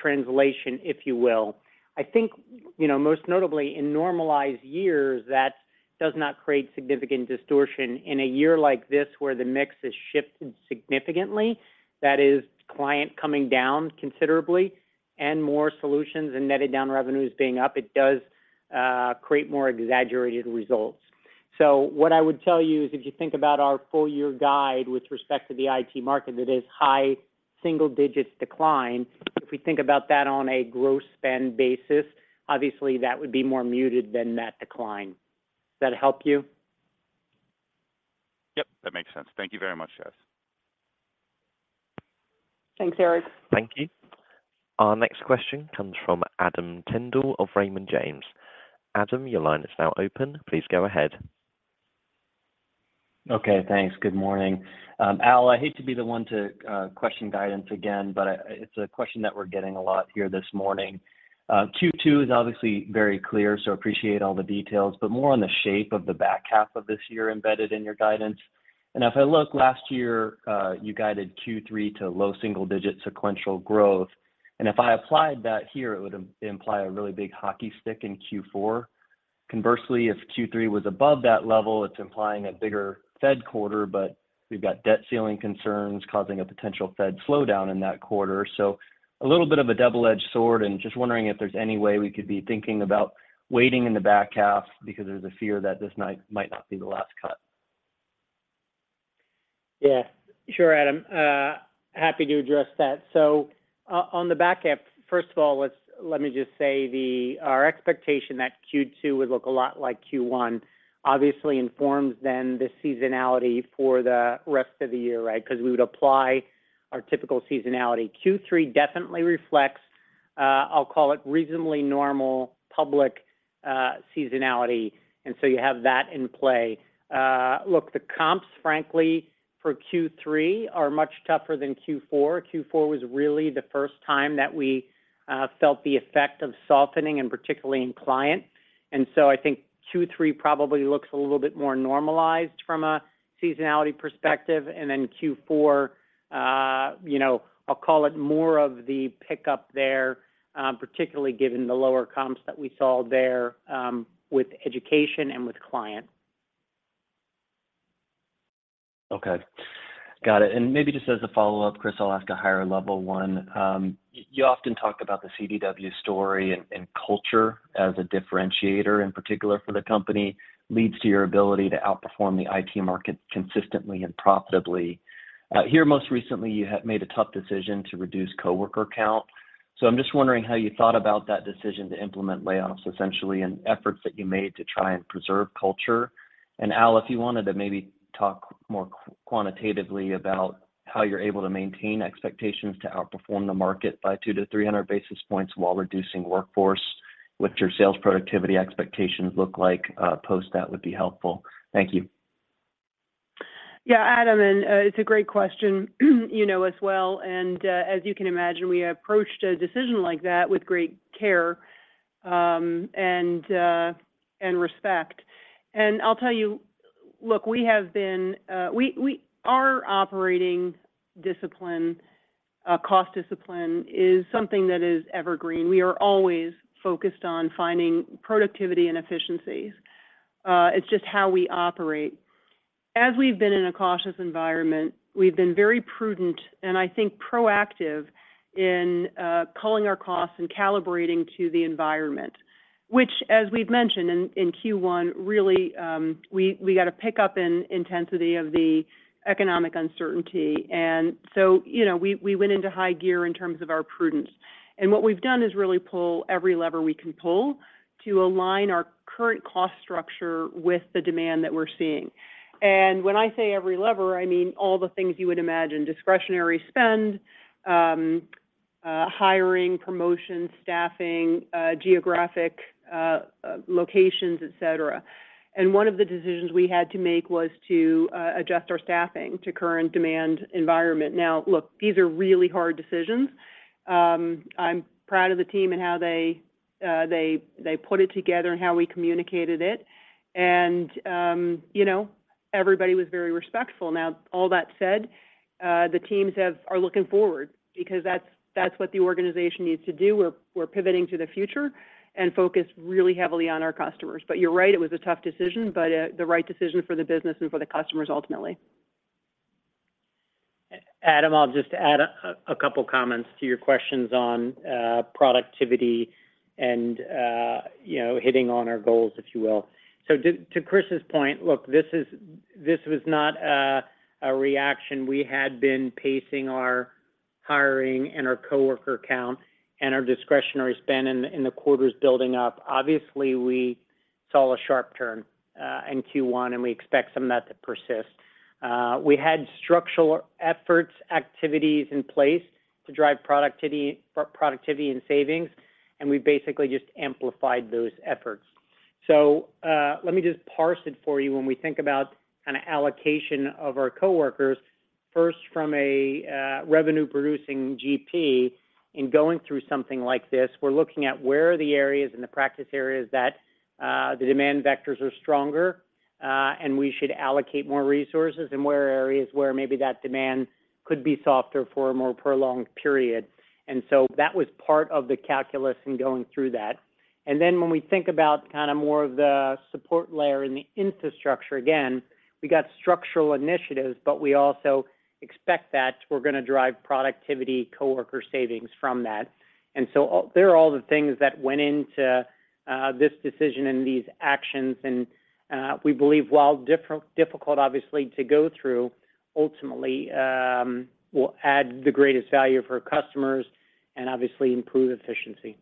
translation, if you will. I think, you know, most notably in normalized years, that does not create significant distortion. In a year like this where the mix has shifted significantly, that is client coming down considerably and more solutions and netted down revenues being up, it does create more exaggerated results. What I would tell you is if you think about our full year guide with respect to the IT market, it is high single digits decline. If we think about that on a gross spend basis, obviously, that would be more muted than that decline. Does that help you? Yep, that makes sense. Thank you very much, guys. Thanks, Erik. Thank you. Our next question comes from Adam Tindle of Raymond James. Adam, your line is now open. Please go ahead. Okay, thanks. Good morning. Al, I hate to be the one to question guidance again, but it's a question that we're getting a lot here this morning. Q2 is obviously very clear, so appreciate all the details, but more on the shape of the back half of this year embedded in your guidance. If I look last year, you guided Q3 to low single digit sequential growth. If I applied that here, it would imply a really big hockey stick in Q4. Conversely, if Q3 was above that level, it's implying a bigger Fed quarter, but we've got debt ceiling concerns causing a potential Fed slowdown in that quarter. A little bit of a double-edged sword, and just wondering if there's any way we could be thinking about waiting in the back half because there's a fear that this might not be the last cut. Yeah, sure, Adam. Happy to address that. On the back half, first of all, let me just say our expectation that Q2 would look a lot like Q1 obviously informs then the seasonality for the rest of the year, right? Because we would apply our typical seasonality. Q3 definitely reflects, I'll call it reasonably normal public seasonality, you have that in play. Look, the comps, frankly, for Q3 are much tougher than Q4. Q4 was really the first time that we felt the effect of softening, and particularly in client. I think Q3 probably looks a little bit more normalized from a seasonality perspective. Then Q4, you know, I'll call it more of the pickup there, particularly given the lower comps that we saw there, with education and with client. Okay. Got it. Maybe just as a follow-up, Chris, I'll ask a higher level one. You often talk about the CDW story and culture as a differentiator, in particular for the company, leads to your ability to outperform the IT market consistently and profitably. Here most recently, you made a tough decision to reduce coworker count. I'm just wondering how you thought about that decision to implement layoffs, essentially, and efforts that you made to try and preserve culture. Al, if you wanted to maybe talk more quantitatively about how you're able to maintain expectations to outperform the market by 200-300 basis points while reducing workforce, what your sales productivity expectations look like, post that would be helpful. Thank you. Yeah, Adam, it's a great question, you know as well. As you can imagine, we approached a decision like that with great care, and respect. I'll tell you, look, we have been our operating discipline, cost discipline is something that is evergreen. We are always focused on finding productivity and efficiencies. It's just how we operate. As we've been in a cautious environment, we've been very prudent and I think proactive in culling our costs and calibrating to the environment, which as we've mentioned in Q1, really, we got a pickup in intensity of the economic uncertainty. You know, we went into high gear in terms of our prudence. What we've done is really pull every lever we can pull to align our current cost structure with the demand that we're seeing. When I say every lever, I mean all the things you would imagine, discretionary spend, hiring, promotion, staffing, geographic locations, et cetera. One of the decisions we had to make was to adjust our staffing to current demand environment. Now, look, these are really hard decisions. I'm proud of the team and how they put it together and how we communicated it. You know, everybody was very respectful. Now, all that said, the teams are looking forward because that's what the organization needs to do. We're pivoting to the future and focused really heavily on our customers. You're right, it was a tough decision, but the right decision for the business and for the customers ultimately. Adam, I'll just add a couple comments to your questions on productivity and, you know, hitting on our goals, if you will. To Chris's point, look, this was not a reaction. We had been pacing our hiring, and our coworker count, and our discretionary spend in the quarters building up. Obviously, we saw a sharp turn in Q1, and we expect some of that to persist. We had structural efforts, activities in place to drive productivity and savings, and we basically just amplified those efforts. Let me just parse it for you. When we think about kinda allocation of our coworkers, first from a revenue-producing GP in going through something like this, we're looking at where are the areas in the practice areas that the demand vectors are stronger, and we should allocate more resources, and where are areas where maybe that demand could be softer for a more prolonged period. That was part of the calculus in going through that. When we think about kinda more of the support layer and the infrastructure, again, we got structural initiatives, but we also expect that we're gonna drive productivity coworker savings from that. They're all the things that went into this decision and these actions, and we believe while difficult obviously to go through, ultimately, will add the greatest value for customers and obviously improve efficiency.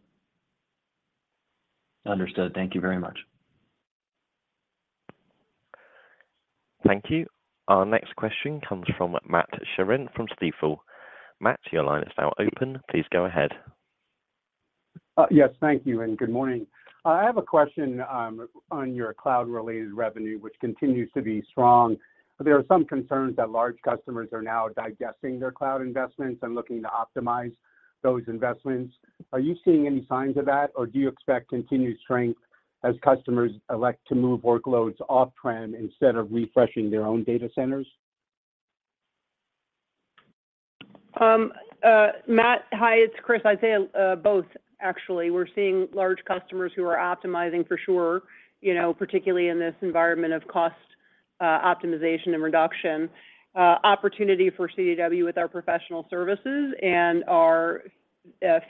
Understood. Thank Thank you very much. Thank you. Our next question comes from Matt Sheerin from Stifel. Matt, your line is now open. Please go ahead. Yes. Thank you, and good morning. I have a question on your cloud-related revenue, which continues to be strong. There are some concerns that large customers are now digesting their cloud investments and looking to optimize those investments. Are you seeing any signs of that, or do you expect continued strength as customers elect to move workloads off-prem instead of refreshing their own data centers? Matt, hi. It's Chris. I'd say both actually. We're seeing large customers who are optimizing for sure, you know, particularly in this environment of cost optimization and reduction. Opportunity for CDW with our professional services and our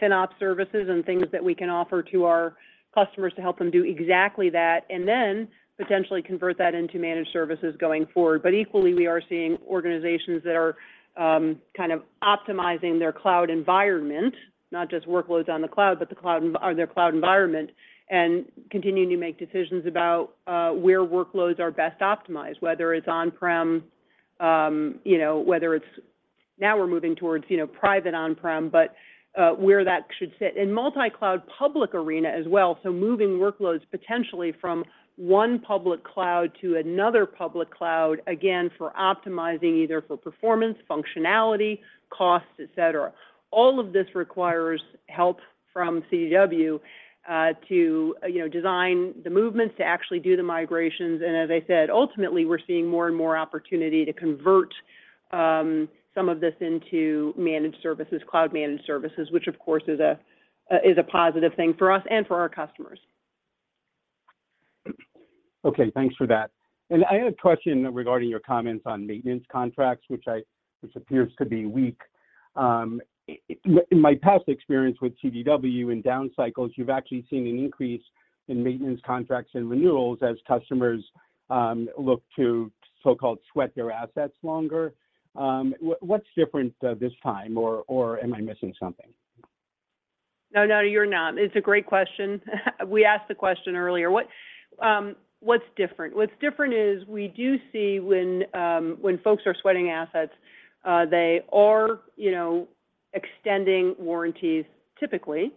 FinOps services and things that we can offer to our customers to help them do exactly that, and then potentially convert that into managed services going forward. Equally, we are seeing organizations that are kind of optimizing their cloud environment, not just workloads on the cloud, but the cloud environment or their cloud environment, and continuing to make decisions about where workloads are best optimized, whether it's on-prem, you know, whether it's... Now we're moving towards, you know, private on-prem, but where that should sit. In multi-cloud public arena as well, so moving workloads potentially from one public cloud to another public cloud, again, for optimizing either for performance, functionality, cost, et cetera. All of this requires help from CDW, to, you know, design the movements to actually do the migrations. As I said, ultimately, we're seeing more and more opportunity to convert some of this into managed services, cloud-managed services, which of course is a positive thing for us and for our customers. Okay. Thanks for that. I had a question regarding your comments on maintenance contracts, which appears to be weak. In my past experience with CDW in down cycles, you've actually seen an increase in maintenance contracts and renewals as customers, look to so-called sweat their assets longer. What's different this time, or am I missing something? No, no, you're not. It's a great question. We asked the question earlier. What's different? What's different is we do see when folks are sweating assets, they are, you know, extending warranties typically.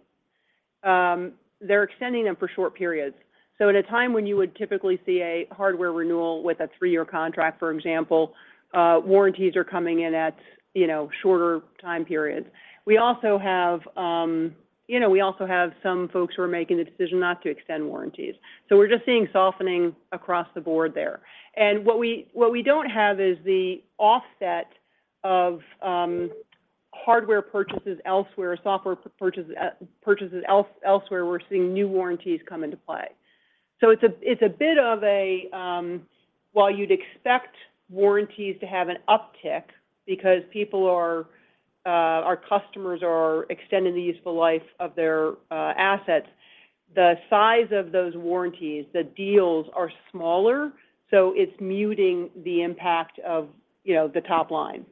They're extending them for short periods. At a time when you would typically see a hardware renewal with a three-year contract, for example, warranties are coming in at, you know, shorter time periods. We also have, you know, we also have some folks who are making the decision not to extend warranties. We're just seeing softening across the board there. What we, what we don't have is the offset of, Hardware purchases elsewhere, software purchases elsewhere, we're seeing new warranties come into play. It's a, it's a bit of a... While you'd expect warranties to have an uptick because people are, our customers are extending the useful life of their assets, the size of those warranties, the deals are smaller. It's muting the impact of, you know, the top line.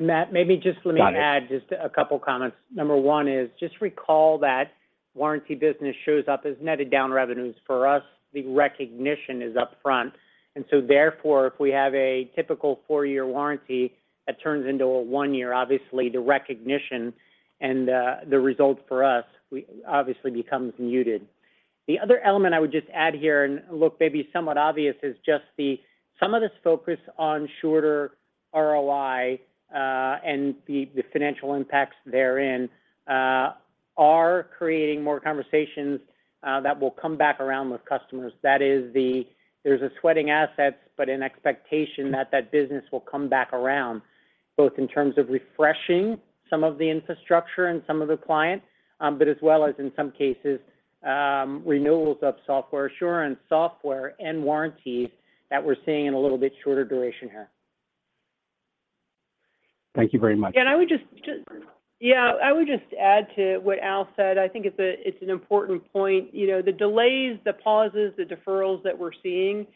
Matt, maybe just let me add. Got it. just a couple comments. Number one is just recall that warranty business shows up as netted down revenues. For us, the recognition is up front. Therefore, if we have a typical four-year warranty that turns into a one-year, obviously the recognition and the result for us obviously becomes muted. The other element I would just add here, and look, maybe somewhat obvious, is just some of this focus on shorter ROI and the financial impacts therein are creating more conversations that will come back around with customers. That is the, there's a sweating assets, an expectation that that business will come back around, both in terms of refreshing some of the infrastructure and some of the clients, as well as, in some cases, renewals of software assurance, software and warranties that we're seeing in a little bit shorter duration here. Thank you very much. Yeah, I would just add to what Al said. I think it's an important point. You know, the delays, the pauses, the deferrals that we're seeing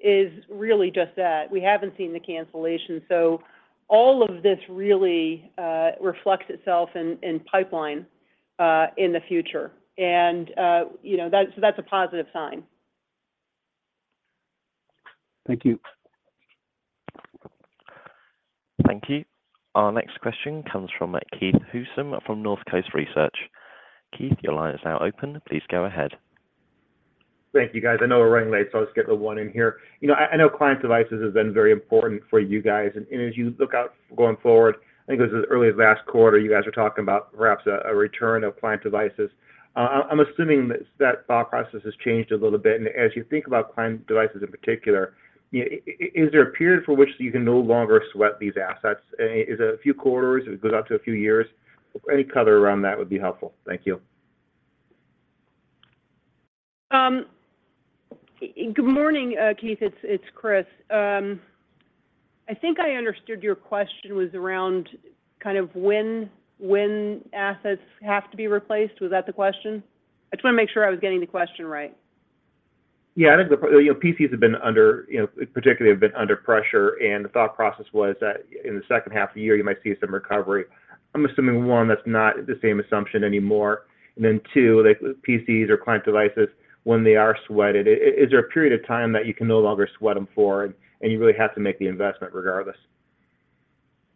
is really just that. We haven't seen the cancellation. All of this really reflects itself in pipeline in the future. You know, that's a positive sign. Thank you. Thank you. Our next question comes from Keith Housum from Northcoast Research. Keith, your line is now open. Please go ahead. Thank you, guys. I know we're running late, so I'll just get the one in here. You know, I know client devices has been very important for you guys. As you look out going forward, I think it was as early as last quarter, you guys were talking about perhaps a return of client devices. I'm assuming that that thought process has changed a little bit. As you think about client devices in particular, you know, is there a period for which you can no longer sweat these assets? Is it a few quarters? Does it go out to a few years? Any color around that would be helpful. Thank you. Good morning, Keith, it's Chris. I think I understood your question was around kind of when assets have to be replaced. Was that the question? I just want to make sure I was getting the question right. Yeah, I think the... You know, PCs have been under, you know, particularly have been under pressure, and the thought process was that in the second half of the year, you might see some recovery. I'm assuming, one, that's not the same assumption anymore. And then two, like PCs or client devices, when they are sweated, is there a period of time that you can no longer sweat them for and you really have to make the investment regardless?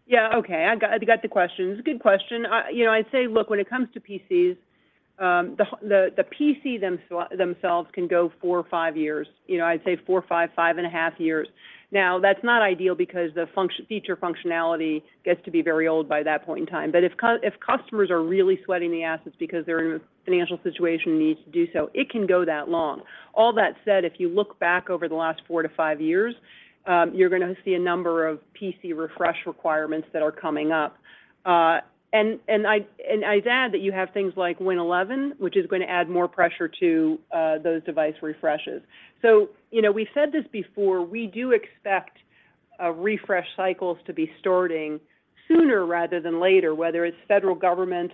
Yeah. Okay. You got the question. It's a good question. You know, I'd say, look, when it comes to PCs, the PC themselves can go four or five years. You know, I'd say four, five and a half years. Now, that's not ideal because the feature functionality gets to be very old by that point in time. If customers are really sweating the assets because their financial situation needs to do so, it can go that long. All that said, if you look back over the last four to five years, you're gonna see a number of PC refresh requirements that are coming up. I'd add that you have things like Windows 11, which is gonna add more pressure to those device refreshes. You know, we said this before, we do expect refresh cycles to be starting sooner rather than later, whether it's federal government,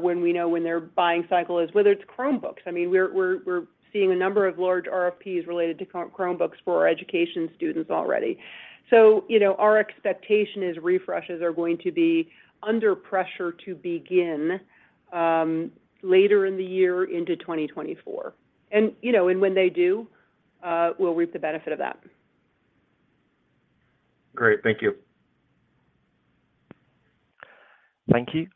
when we know when their buying cycle is, whether it's Chromebooks. I mean, we're seeing a number of large RFPs related to Chromebooks for our education students already. You know, our expectation is refreshes are going to be under pressure to begin later in the year into 2024. You know, and when they do, we'll reap the benefit of that. Great. Thank you. Thank you.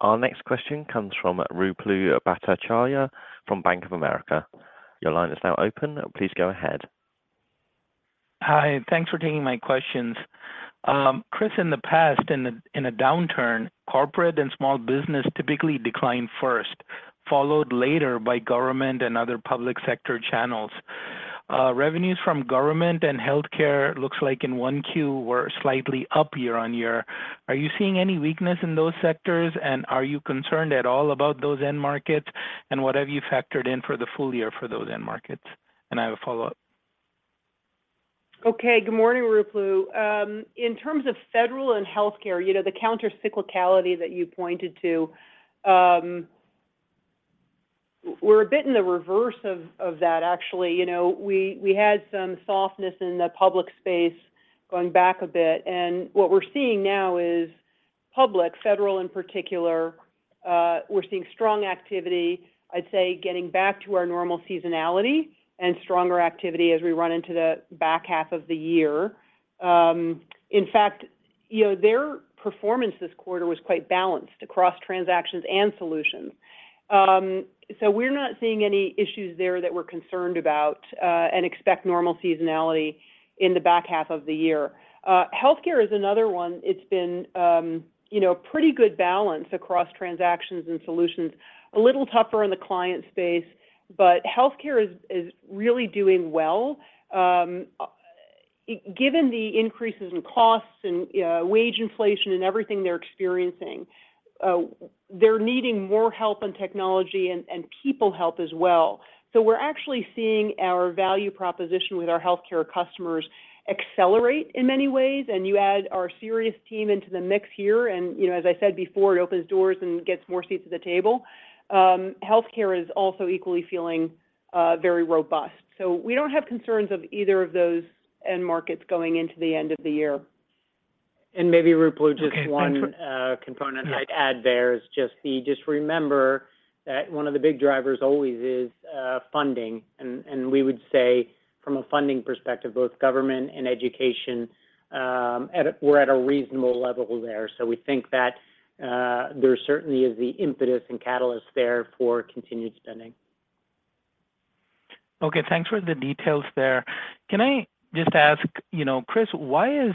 Our next question comes from Ruplu Bhattacharya from Bank of America. Your line is now open. Please go ahead. Hi. Thanks for taking my questions. Chris, in the past, in a downturn, corporate and small business typically decline first, followed later by government and other public sector channels. Revenues from government and healthcare looks like in 1Q were slightly up year-on-year. Are you seeing any weakness in those sectors, and are you concerned at all about those end markets, and what have you factored in for the full year for those end markets? I have a follow-up. Okay. Good morning, Ruplu. In terms of federal and healthcare, you know, the countercyclicality that you pointed to, we're a bit in the reverse of that actually. You know, we had some softness in the public space going back a bit. What we're seeing now is public, federal in particular, we're seeing strong activity, I'd say getting back to our normal seasonality and stronger activity as we run into the back half of the year. In fact, you know, their performance this quarter was quite balanced across transactions and solutions. We're not seeing any issues there that we're concerned about and expect normal seasonality in the back half of the year. Healthcare is another one. It's been, you know, pretty good balance across transactions and solutions. A little tougher in the client space, but healthcare is really doing well. Given the increases in costs and wage inflation and everything they're experiencing, they're needing more help in technology and people help as well. We're actually seeing our value proposition with our healthcare customers accelerate in many ways. You add our Sirius team into the mix here, and, you know, as I said before, it opens doors and gets more seats at the table. Healthcare is also equally feeling very robust. We don't have concerns of either of those end markets going into the end of the year. maybe, Ruplu, just. Okay, thanks for-. Component I'd add there is just remember that one of the big drivers always is funding. We would say from a funding perspective, both government and education, we're at a reasonable level there. We think that there certainly is the impetus and catalyst there for continued spending. Okay. Thanks for the details there. Can I just ask, you know, Chris, why is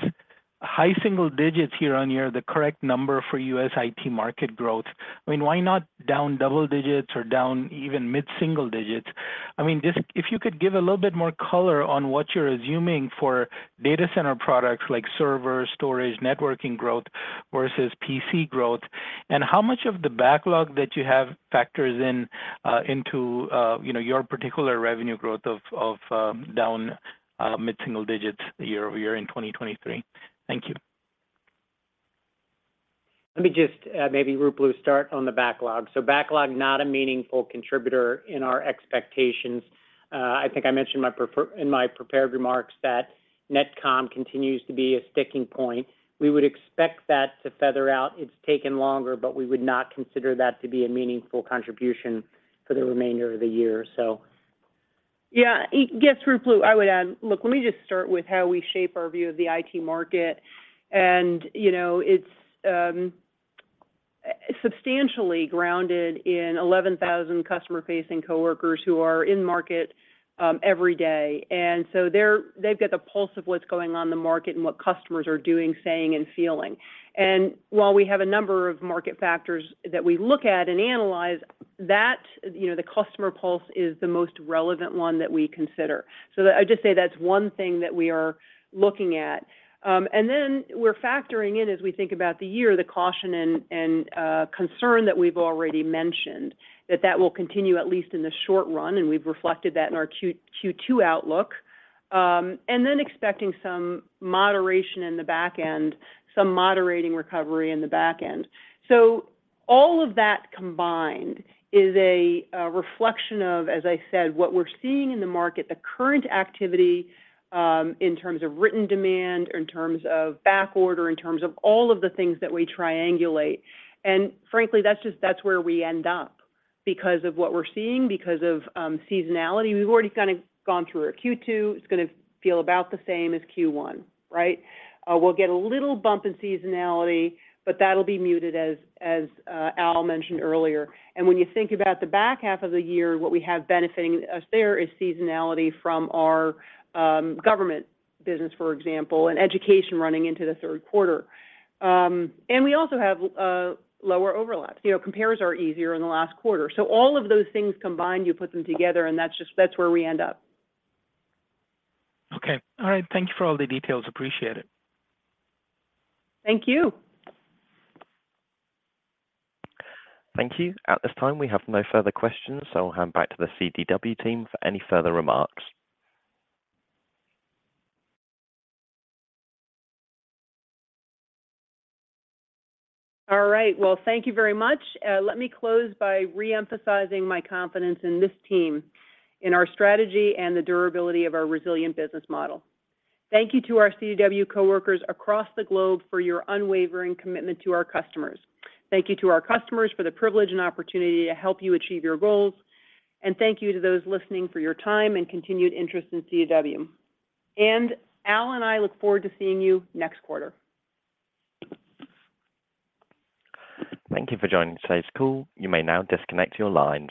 high single digits year-over-year the correct number for U.S. IT market growth? I mean, why not down double digits or down even mid single digits? I mean, just if you could give a little bit more color on what you're assuming for data center products like server, storage, networking growth versus PC growth, and how much of the backlog that you have factors in, into, you know, your particular revenue growth down mid single digits year-over-year in 2023? Thank you. Let me just, maybe Ruplu, you start on the backlog. Backlog, not a meaningful contributor in our expectations. I think I mentioned in my prepared remarks that NetComm continues to be a sticking point. We would expect that to feather out. It's taken longer. We would not consider that to be a meaningful contribution for the remainder of the year. Yeah. Yes, Ruplu, I would add. Look, let me just start with how we shape our view of the IT market. You know, it's substantially grounded in 11,000 customer-facing coworkers who are in market every day. They've got the pulse of what's going on in the market and what customers are doing, saying, and feeling. While we have a number of market factors that we look at and analyze, that, you know, the customer pulse is the most relevant one that we consider. So I'd just say that's one thing that we are looking at. Then we're factoring in as we think about the year, the caution and concern that we've already mentioned, that that will continue at least in the short run, and we've reflected that in our Q2 outlook. Then expecting some moderation in the back end, some moderating recovery in the back end. All of that combined is a reflection of, as I said, what we're seeing in the market, the current activity, in terms of written demand, in terms of back order, in terms of all of the things that we triangulate. Frankly, that's where we end up because of what we're seeing, because of seasonality. We've already kinda gone through our Q2. It's gonna feel about the same as Q1, right? We'll get a little bump in seasonality, but that'll be muted as Al mentioned earlier. When you think about the back half of the year, what we have benefiting us there is seasonality from our government business, for example, and education running into the third quarter. We also have, lower overlaps. You know, compares are easier in the last quarter. All of those things combined, you put them together, and that's where we end up. Okay. All right. Thank you for all the details. Appreciate it. Thank you. Thank you. At this time, we have no further questions, so I'll hand back to the CDW team for any further remarks. All right. Well, thank you very much. Let me close by re-emphasizing my confidence in this team, in our strategy, and the durability of our resilient business model. Thank you to our CDW coworkers across the globe for your unwavering commitment to our customers. Thank you to our customers for the privilege and opportunity to help you achieve your goals. Al and I look forward to seeing you next quarter. Thank you for joining today's call. You may now disconnect your lines.